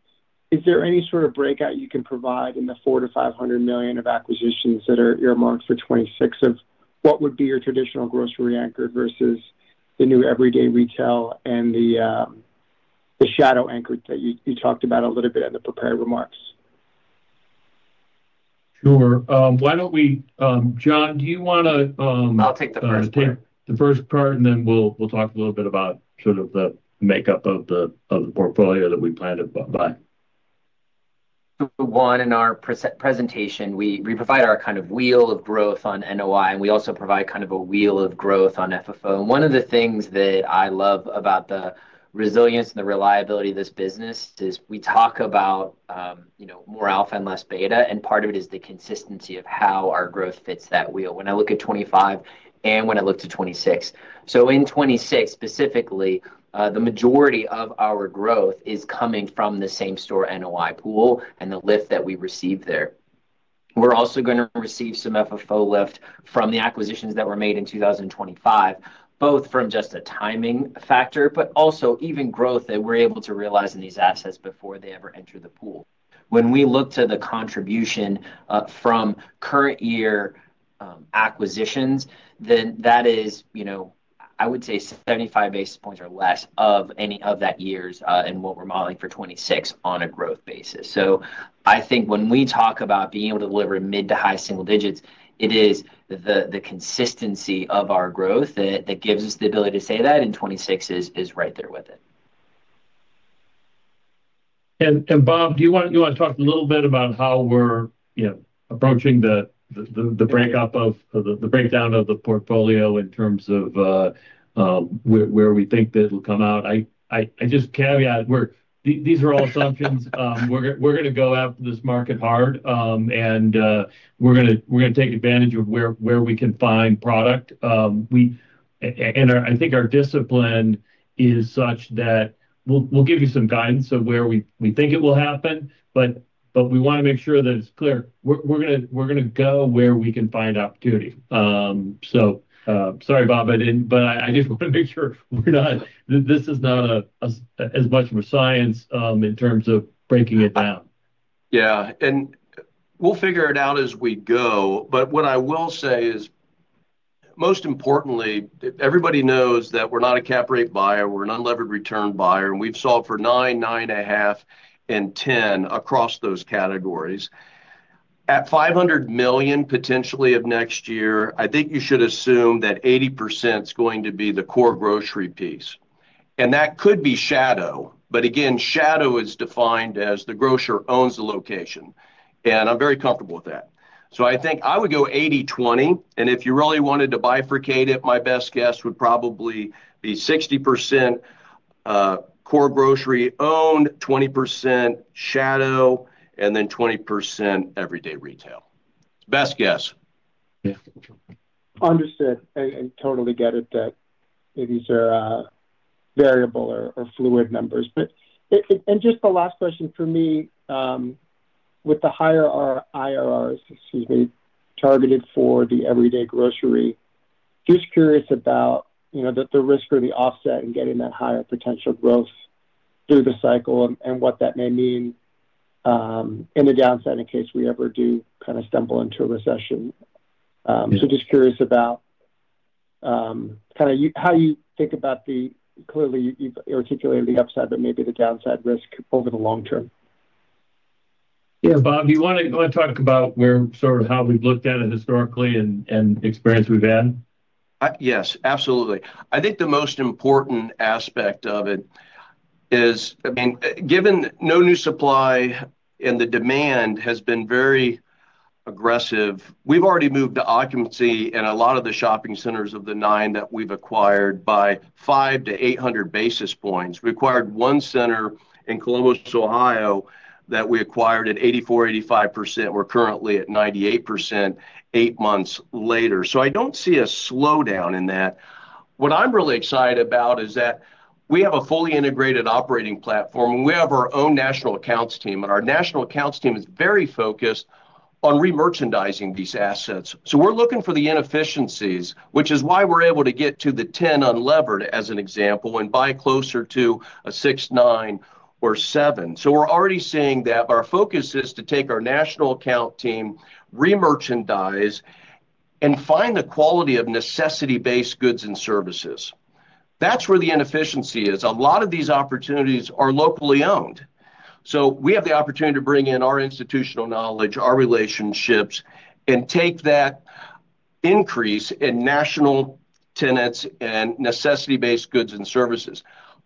is there any sort of breakout you can provide in the $400 million-$500 million of acquisitions that are earmarked for 2026 of what would be your traditional grocery anchor versus the new everyday retail and the shadow anchor that you talked about a little bit in the prepared remarks? Sure. Why don't we John, do you want to? I'll take the first part. The first part, and then we'll talk a little bit about sort of the makeup of the portfolio that we plan to buy. So Juan, in our presentation, we provide our kind of wheel of growth on NOI, and we also provide kind of a wheel of growth on FFO. And one of the things that I love about the resilience and the reliability of this business is we talk about more alpha and less beta. And part of it is the consistency of how our growth fits that wheel when I look at 2025 and when I look to 2026. So in 2026, specifically, the majority of our growth is coming from the same store NOI pool and the lift that we receive there. We're also going to receive some FFO lift from the acquisitions that were made in 2025, both from just a timing factor, but also even growth that we're able to realize in these assets before they ever enter the pool. When we look to the contribution from current year acquisitions, then that is, I would say, 75 basis points or less of any of that years in what we're modeling for 2026 on a growth basis. So I think when we talk about being able to deliver mid to high single digits, it is the consistency of our growth that gives us the ability to say that in 2026 is right there with it. And Bob, do you want to talk a little bit about how we're approaching the breakdown of the portfolio in terms of where we think that it'll come out? I just caveat, these are all assumptions. We're going to go after this market hard, and we're going to take advantage of where we can find product. And I think our discipline is such that we'll give you some guidance of where we think it will happen, but we want to make sure that it's clear. We're going to go where we can find opportunity. So sorry, Bob, but I just want to make sure this is not as much of a science in terms of breaking it down. Yeah. And we'll figure it out as we go. But what I will say is, most importantly, everybody knows that we're not a cap rate buyer. We're an unlevered return buyer. And we've sold for 9, 9.5, and 10 across those categories. At $500 million potentially of next year, I think you should assume that 80% is going to be the core grocery piece. That could be hadow, but again, shadow is defined as the grocer owns the location. I'm very comfortable with that. I think I would go 80/20. If you really wanted to bifurcate it, my best guess would probably be 60% core grocery owned, 20% shadow, and then 20% everyday retail. Best guess. Understood. I totally get it that these are variable or fluid numbers. Just the last question for me, with the higher IRRs, excuse me, targeted for the everyday grocery, just curious about the risk or the offset in getting that higher potential growth through the cycle and what that may mean in the downside in case we ever do kind of stumble into a recession. Just curious about kind of how you think about the clearly, you've articulated the upside, but maybe the downside risk over the long term. Yeah. Bob, do you want to talk about sort of how we've looked at it historically and the experience we've had? Yes. Absolutely. I think the most important aspect of it is, I mean, given no new supply and the demand has been very aggressive, we've already moved to occupancy in a lot of the shopping centers of the nine that we've acquired by 5-800 basis points. We acquired one center in Columbus, Ohio, that we acquired at 84-85%. We're currently at 98% eight months later. So I don't see a slowdown in that. What I'm really excited about is that we have a fully integrated operating platform, and we have our own national accounts team. And our national accounts team is very focused on re-merchandising these assets. So we're looking for the inefficiencies, which is why we're able to get to the 10 unlevered as an example and buy closer to a 6.9 or 7. So we're already seeing that our focus is to take our national account team, re-merchandise, and find the quality of necessity-based goods and services. That's where the inefficiency is. A lot of these opportunities are locally owned. So we have the opportunity to bring in our institutional knowledge, our relationships, and take that increase in national tenants and necessity-based goods and services.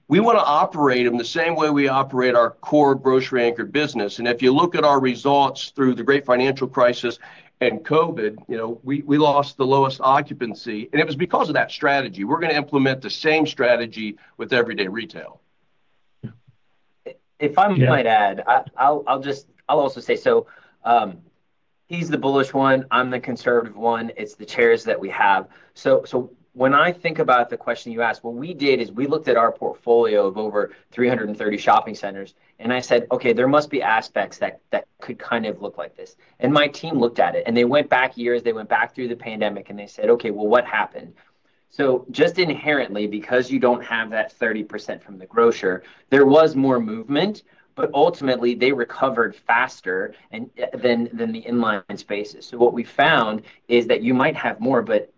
We want to operate in the same way we operate our core grocery anchor business. And if you look at our results through the great financial crisis and COVID, we lost the lowest occupancy. And it was because of that strategy. We're going to implement the same strategy with everyday retail. If I might add, I'll also say, so he's the bullish one. I'm the conservative one. It's the chairs that we have, so when I think about the question you asked, what we did is we looked at our portfolio of over 330 shopping centers, and I said, "Okay, there must be aspects that could kind of look like this," and my team looked at it, and they went back years. They went back through the pandemic, and they said, "Okay, well, what happened?" So just inherently, because you don't have that 30% from the grocer, there was more movement, but ultimately, they recovered faster than the inline spaces, so what we found is that you might have more, but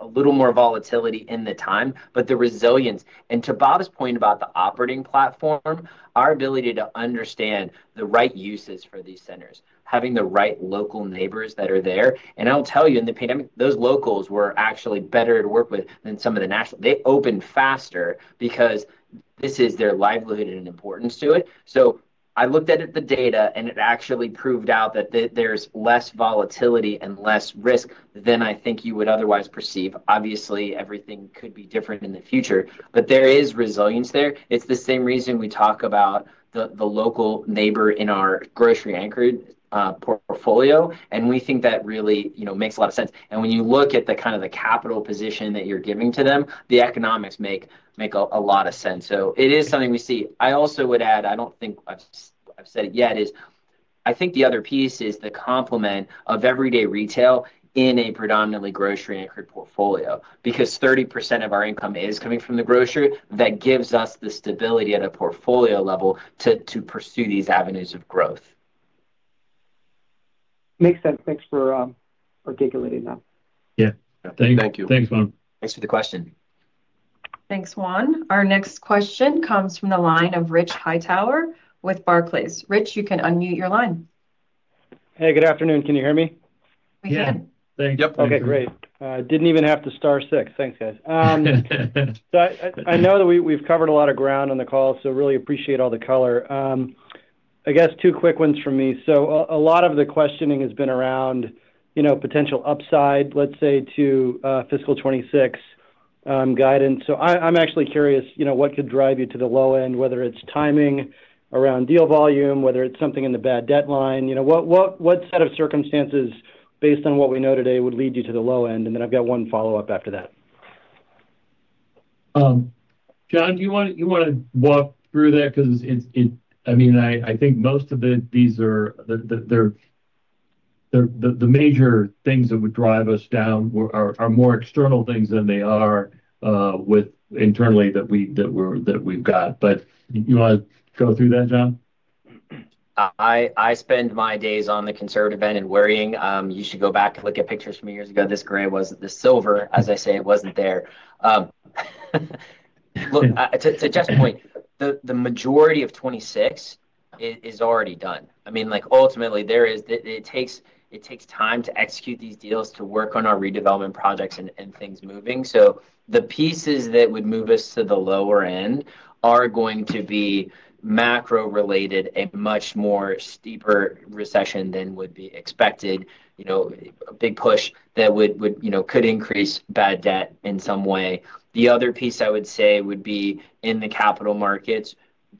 a little more volatility in the time, but the resilience. And to Bob's point about the operating platform, our ability to understand the right uses for these centers, having the right local neighbors that are there. And I'll tell you, in the pandemic, those locals were actually better to work with than some of the national. They opened faster because this is their livelihood and importance to it. So I looked at the data, and it actually proved out that there's less volatility and less risk than I think you would otherwise perceive. Obviously, everything could be different in the future, but there is resilience there. It's the same reason we talk about the local neighbor in our grocery anchored portfolio. And we think that really makes a lot of sense. And when you look at the kind of capital position that you're giving to them, the economics make a lot of sense. So it is something we see. I also would add, I don't think I've said it yet, is I think the other piece is the complement of everyday retail in a predominantly grocery anchored portfolio because 30% of our income is coming from the grocery that gives us the stability at a portfolio level to pursue these avenues of growth. Makes sense. Thanks for articulating that. Yeah. Thank you. Thanks, Juan. Thanks for the question. Thanks, Juan. Our next question comes from the line of Rich Hightower with Barclays. Rich, you can unmute your line. Hey, good afternoon. Can you hear me? We can. Yep. Okay. Great. Didn't even have to star six. Thanks, guys. So I know that we've covered a lot of ground on the call, so really appreciate all the color. I guess two quick ones from me. A lot of the questioning has been around potential upside, let's say, to fiscal 2026 guidance. I'm actually curious what could drive you to the low end, whether it's timing around deal volume, whether it's something in the back half. What set of circumstances, based on what we know today, would lead you to the low end? And then I've got one follow-up after that. John, do you want to walk through that? Because I mean, I think most of these are the major things that would drive us down are more external things than they are internally that we've got. But do you want to go through that, John? I spend my days on the conservative end and worrying, "You should go back and look at pictures from years ago. This gray was the silver." As I say, it wasn't there. Look, to Jeff's point, the majority of 2026 is already done. I mean, ultimately, it takes time to execute these deals to work on our redevelopment projects and things moving. So the pieces that would move us to the lower end are going to be macro-related, a much more steeper recession than would be expected, a big push that could increase bad debt in some way. The other piece I would say would be in the capital markets,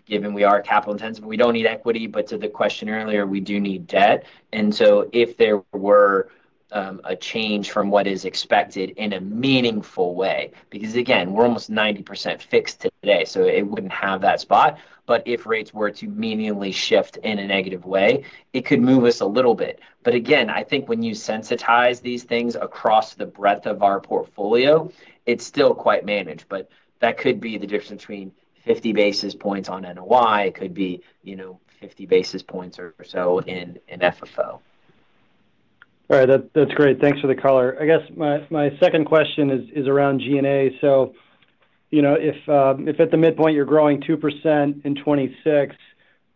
given we are capital intensive. We don't need equity, but to the question earlier, we do need debt. And so if there were a change from what is expected in a meaningful way, because again, we're almost 90% fixed today, so it wouldn't have that sort. But if rates were to materially shift in a negative way, it could move us a little bit. But again, I think when you sensitize these things across the breadth of our portfolio, it's still quite managed. But that could be the difference between 50 basis points on NOI. It could be 50 basis points or so in FFO. All right. That's great. Thanks for the color. I guess my second question is around G&A. So if at the midpoint, you're growing 2% in 2026,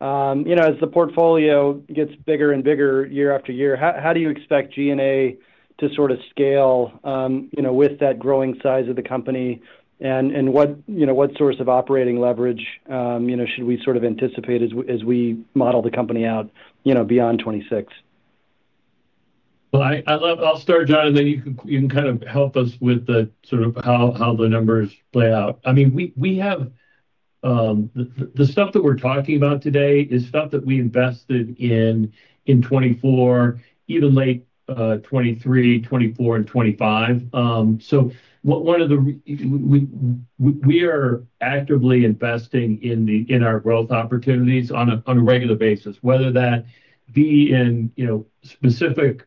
as the portfolio gets bigger and bigger year after year, how do you expect G&A to sort of scale with that growing size of the company? And what source of operating leverage should we sort of anticipate as we model the company out beyond 2026? Well, I'll start, John, and then you can kind of help us with sort of how the numbers play out. I mean, the stuff that we're talking about today is stuff that we invested in 2024, even late 2023, 2024, and 2025. So one of the we are actively investing in our growth opportunities on a regular basis, whether that be in specific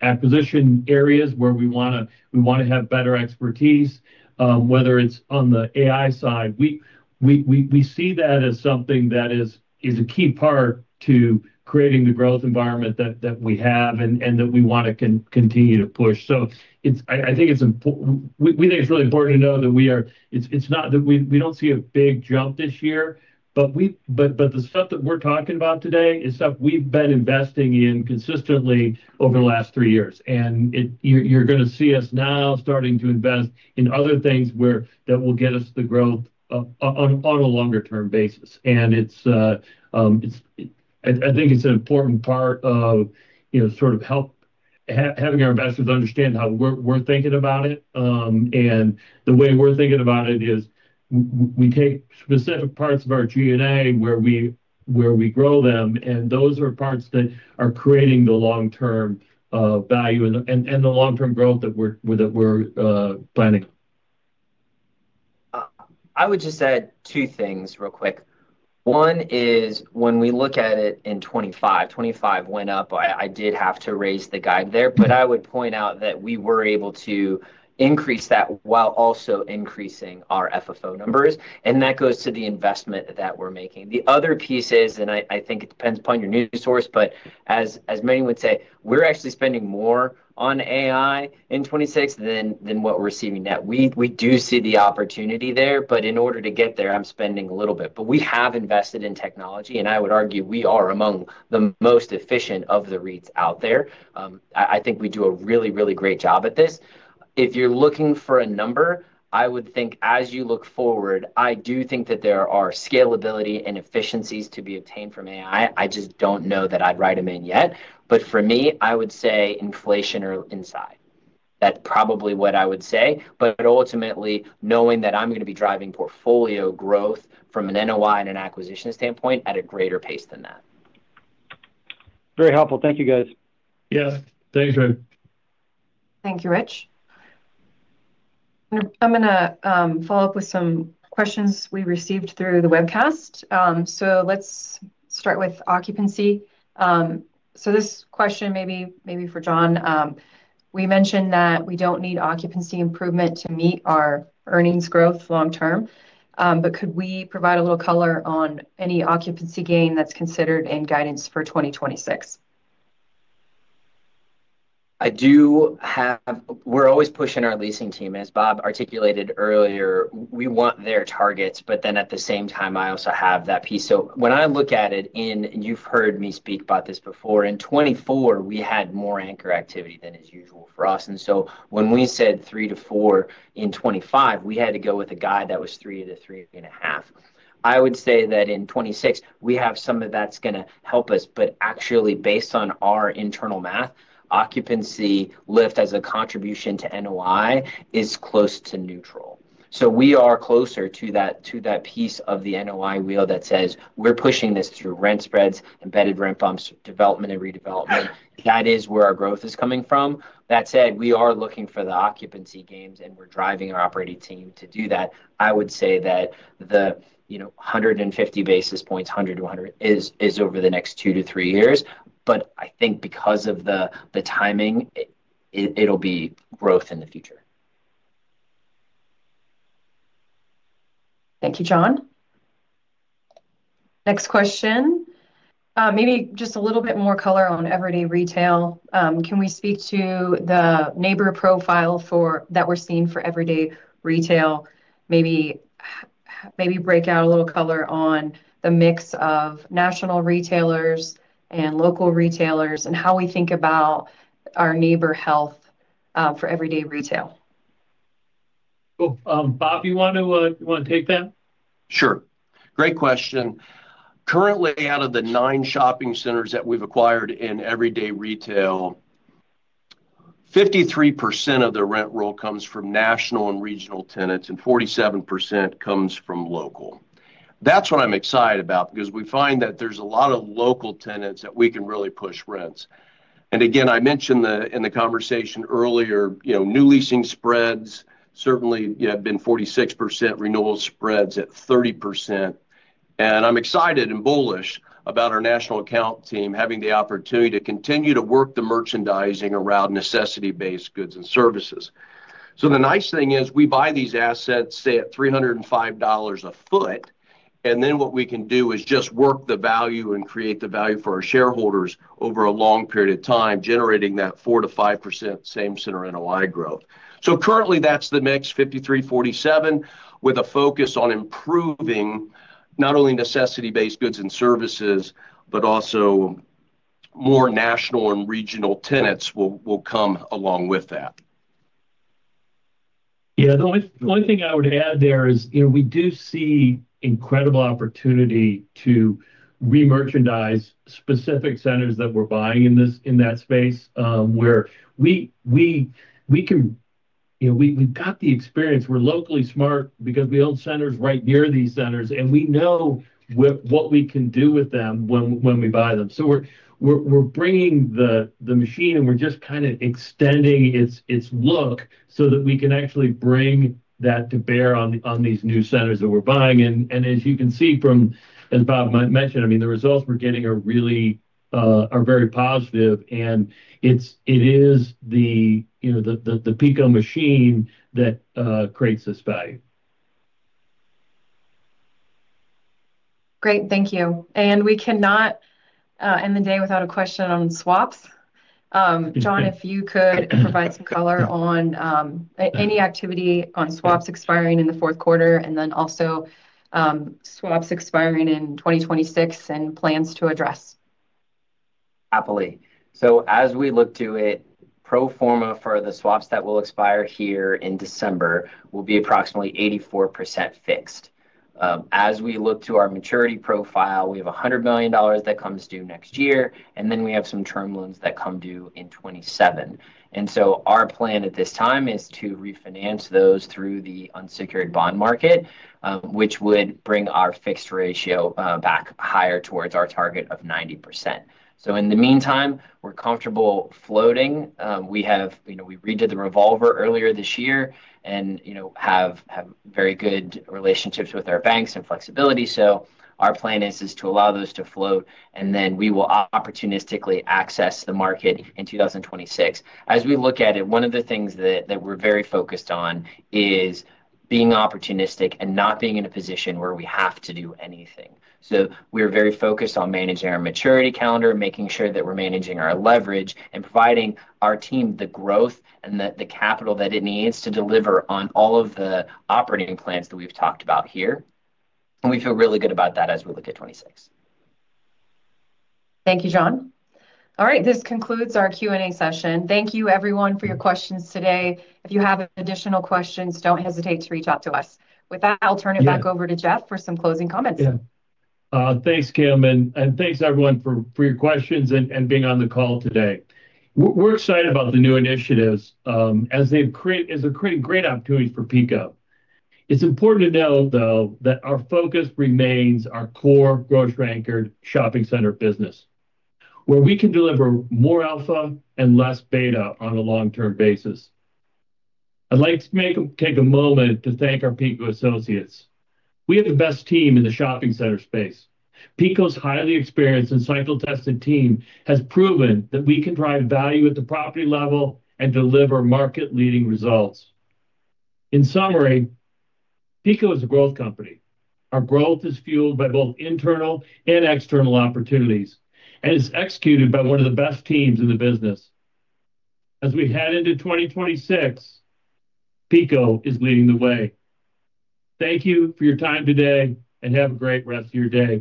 acquisition areas where we want to have better expertise, whether it's on the AI side. We see that as something that is a key part to creating the growth environment that we have and that we want to continue to push. So I think it's important. We think it's really important to know that we are. It's not that we don't see a big jump this year, but the stuff that we're talking about today is stuff we've been investing in consistently over the last three years. And you're going to see us now starting to invest in other things that will get us the growth on a longer-term basis. And I think it's an important part of sort of helping our investors understand how we're thinking about it. And the way we're thinking about it is we take specific parts of our G&A where we grow them, and those are parts that are creating the long-term value and the long-term growth that we're planning on. I would just add two things real quick. One is when we look at it in 2025, 2025 went up. I did have to raise the guide there, but I would point out that we were able to increase that while also increasing our FFO numbers. And that goes to the investment that we're making. The other piece is, and I think it depends upon your news source, but as many would say, we're actually spending more on AI in 2026 than what we're receiving now. We do see the opportunity there, but in order to get there, I'm spending a little bit. But we have invested in technology, and I would argue we are among the most efficient of the REITs out there. I think we do a really, really great job at this. If you're looking for a number, I would think as you look forward, I do think that there are scalability and efficiencies to be obtained from AI. I just don't know that I'd write them in yet. But for me, I would say inflation or inside. That's probably what I would say. But ultimately, knowing that I'm going to be driving portfolio growth from an NOI and an acquisition standpoint at a greater pace than that. Very helpful. Thank you, guys. Yeah. Thank you, Greg. Thank you, Rich. I'm going to follow up with some questions we received through the webcast. So let's start with occupancy. So this question may be for John. We mentioned that we don't need occupancy improvement to meet our earnings growth long term, but could we provide a little color on any occupancy gain that's considered in guidance for 2026? We're always pushing our leasing team, as Bob articulated earlier. We want their targets, but then at the same time, I also have that piece. So when I look at it, and you've heard me speak about this before, in 2024, we had more anchor activity than is usual for us. And so when we said three to four in 2025, we had to go with a guide that was three to three and a half. I would say that in 2026, we have some of that's going to help us. But actually, based on our internal math, occupancy lift as a contribution to NOI is close to neutral. So we are closer to that piece of the NOI wheel that says we're pushing this through rent spreads, embedded rent bumps, development, and redevelopment. That is where our growth is coming from. That said, we are looking for the occupancy gains, and we're driving our operating team to do that. I would say that the 150 basis points, 100 to 100, is over the next two to three years. But I think because of the timing, it'll be growth in the future. Thank you, John. Next question. Maybe just a little bit more color on Everyday Retail. Can we speak to the neighbor profile that we're seeing for Everyday Retail? Maybe break out a little color on the mix of national retailers and local retailers and how we think about our neighbor health for Everyday Retail. Cool. Bob, you want to take that? Sure. Great question. Currently, out of the nine shopping centers that we've acquired in Everyday Retail, 53% of the rent roll comes from national and regional tenants, and 47% comes from local. That's what I'm excited about because we find that there's a lot of local tenants that we can really push rents. And again, I mentioned in the conversation earlier, new leasing spreads certainly have been 46%, renewal spreads at 30%. And I'm excited and bullish about our national account team having the opportunity to continue to work the merchandising around necessity-based goods and services. So the nice thing is we buy these assets, say, at $305 a foot, and then what we can do is just work the value and create the value for our shareholders over a long period of time, generating that 4%-5% same-center NOI growth. So currently, that's the mix 53-47 with a focus on improving not only necessity-based goods and services, but also more national and regional tenants will come along with that. Yeah. The only thing I would add there is we do see incredible opportunity to re-merchandise specific centers that we're buying in that space where we can, we've got the experience. We're locally smart because we own centers right near these centers, and we know what we can do with them when we buy them. So we're bringing the machine, and we're just kind of extending its look so that we can actually bring that to bear on these new centers that we're buying. And as you can see from, as Bob mentioned, I mean, the results we're getting are very positive, and it is the PECO machine that creates this value. Great. Thank you. And we cannot end the day without a question on swaps. John, if you could provide some color on any activity on swaps expiring in the fourth quarter and then also swaps expiring in 2026 and plans to address. Happily. So as we look to it, pro forma for the swaps that will expire here in December will be approximately 84% fixed. As we look to our maturity profile, we have $100 million that comes due next year, and then we have some term loans that come due in 2027. And so our plan at this time is to refinance those through the unsecured bond market, which would bring our fixed ratio back higher towards our target of 90%. So in the meantime, we're comfortable floating. We redid the revolver earlier this year and have very good relationships with our banks and flexibility. So our plan is to allow those to float, and then we will opportunistically access the market in 2026. As we look at it, one of the things that we're very focused on is being opportunistic and not being in a position where we have to do anything. We're very focused on managing our maturity calendar, making sure that we're managing our leverage and providing our team the growth and the capital that it needs to deliver on all of the operating plans that we've talked about here. We feel really good about that as we look at 2026. Thank you, John. All right. This concludes our Q&A session. Thank you, everyone, for your questions today. If you have additional questions, don't hesitate to reach out to us. With that, I'll turn it back over to Jeff for some closing comments. Yeah. Thanks, Kim. And thanks, everyone, for your questions and being on the call today. We're excited about the new initiatives as they're creating great opportunities for PECO. It's important to know, though, that our focus remains our core grocery-anchored shopping center business, where we can deliver more alpha and less beta on a long-term basis. I'd like to take a moment to thank our PECO associates. We have the best team in the shopping center space. PECO's highly experienced and cycle-tested team has proven that we can drive value at the property level and deliver market-leading results. In summary, PECO is a growth company. Our growth is fueled by both internal and external opportunities and is executed by one of the best teams in the business. As we head into 2026, PECO is leading the way. Thank you for your time today, and have a great rest of your day.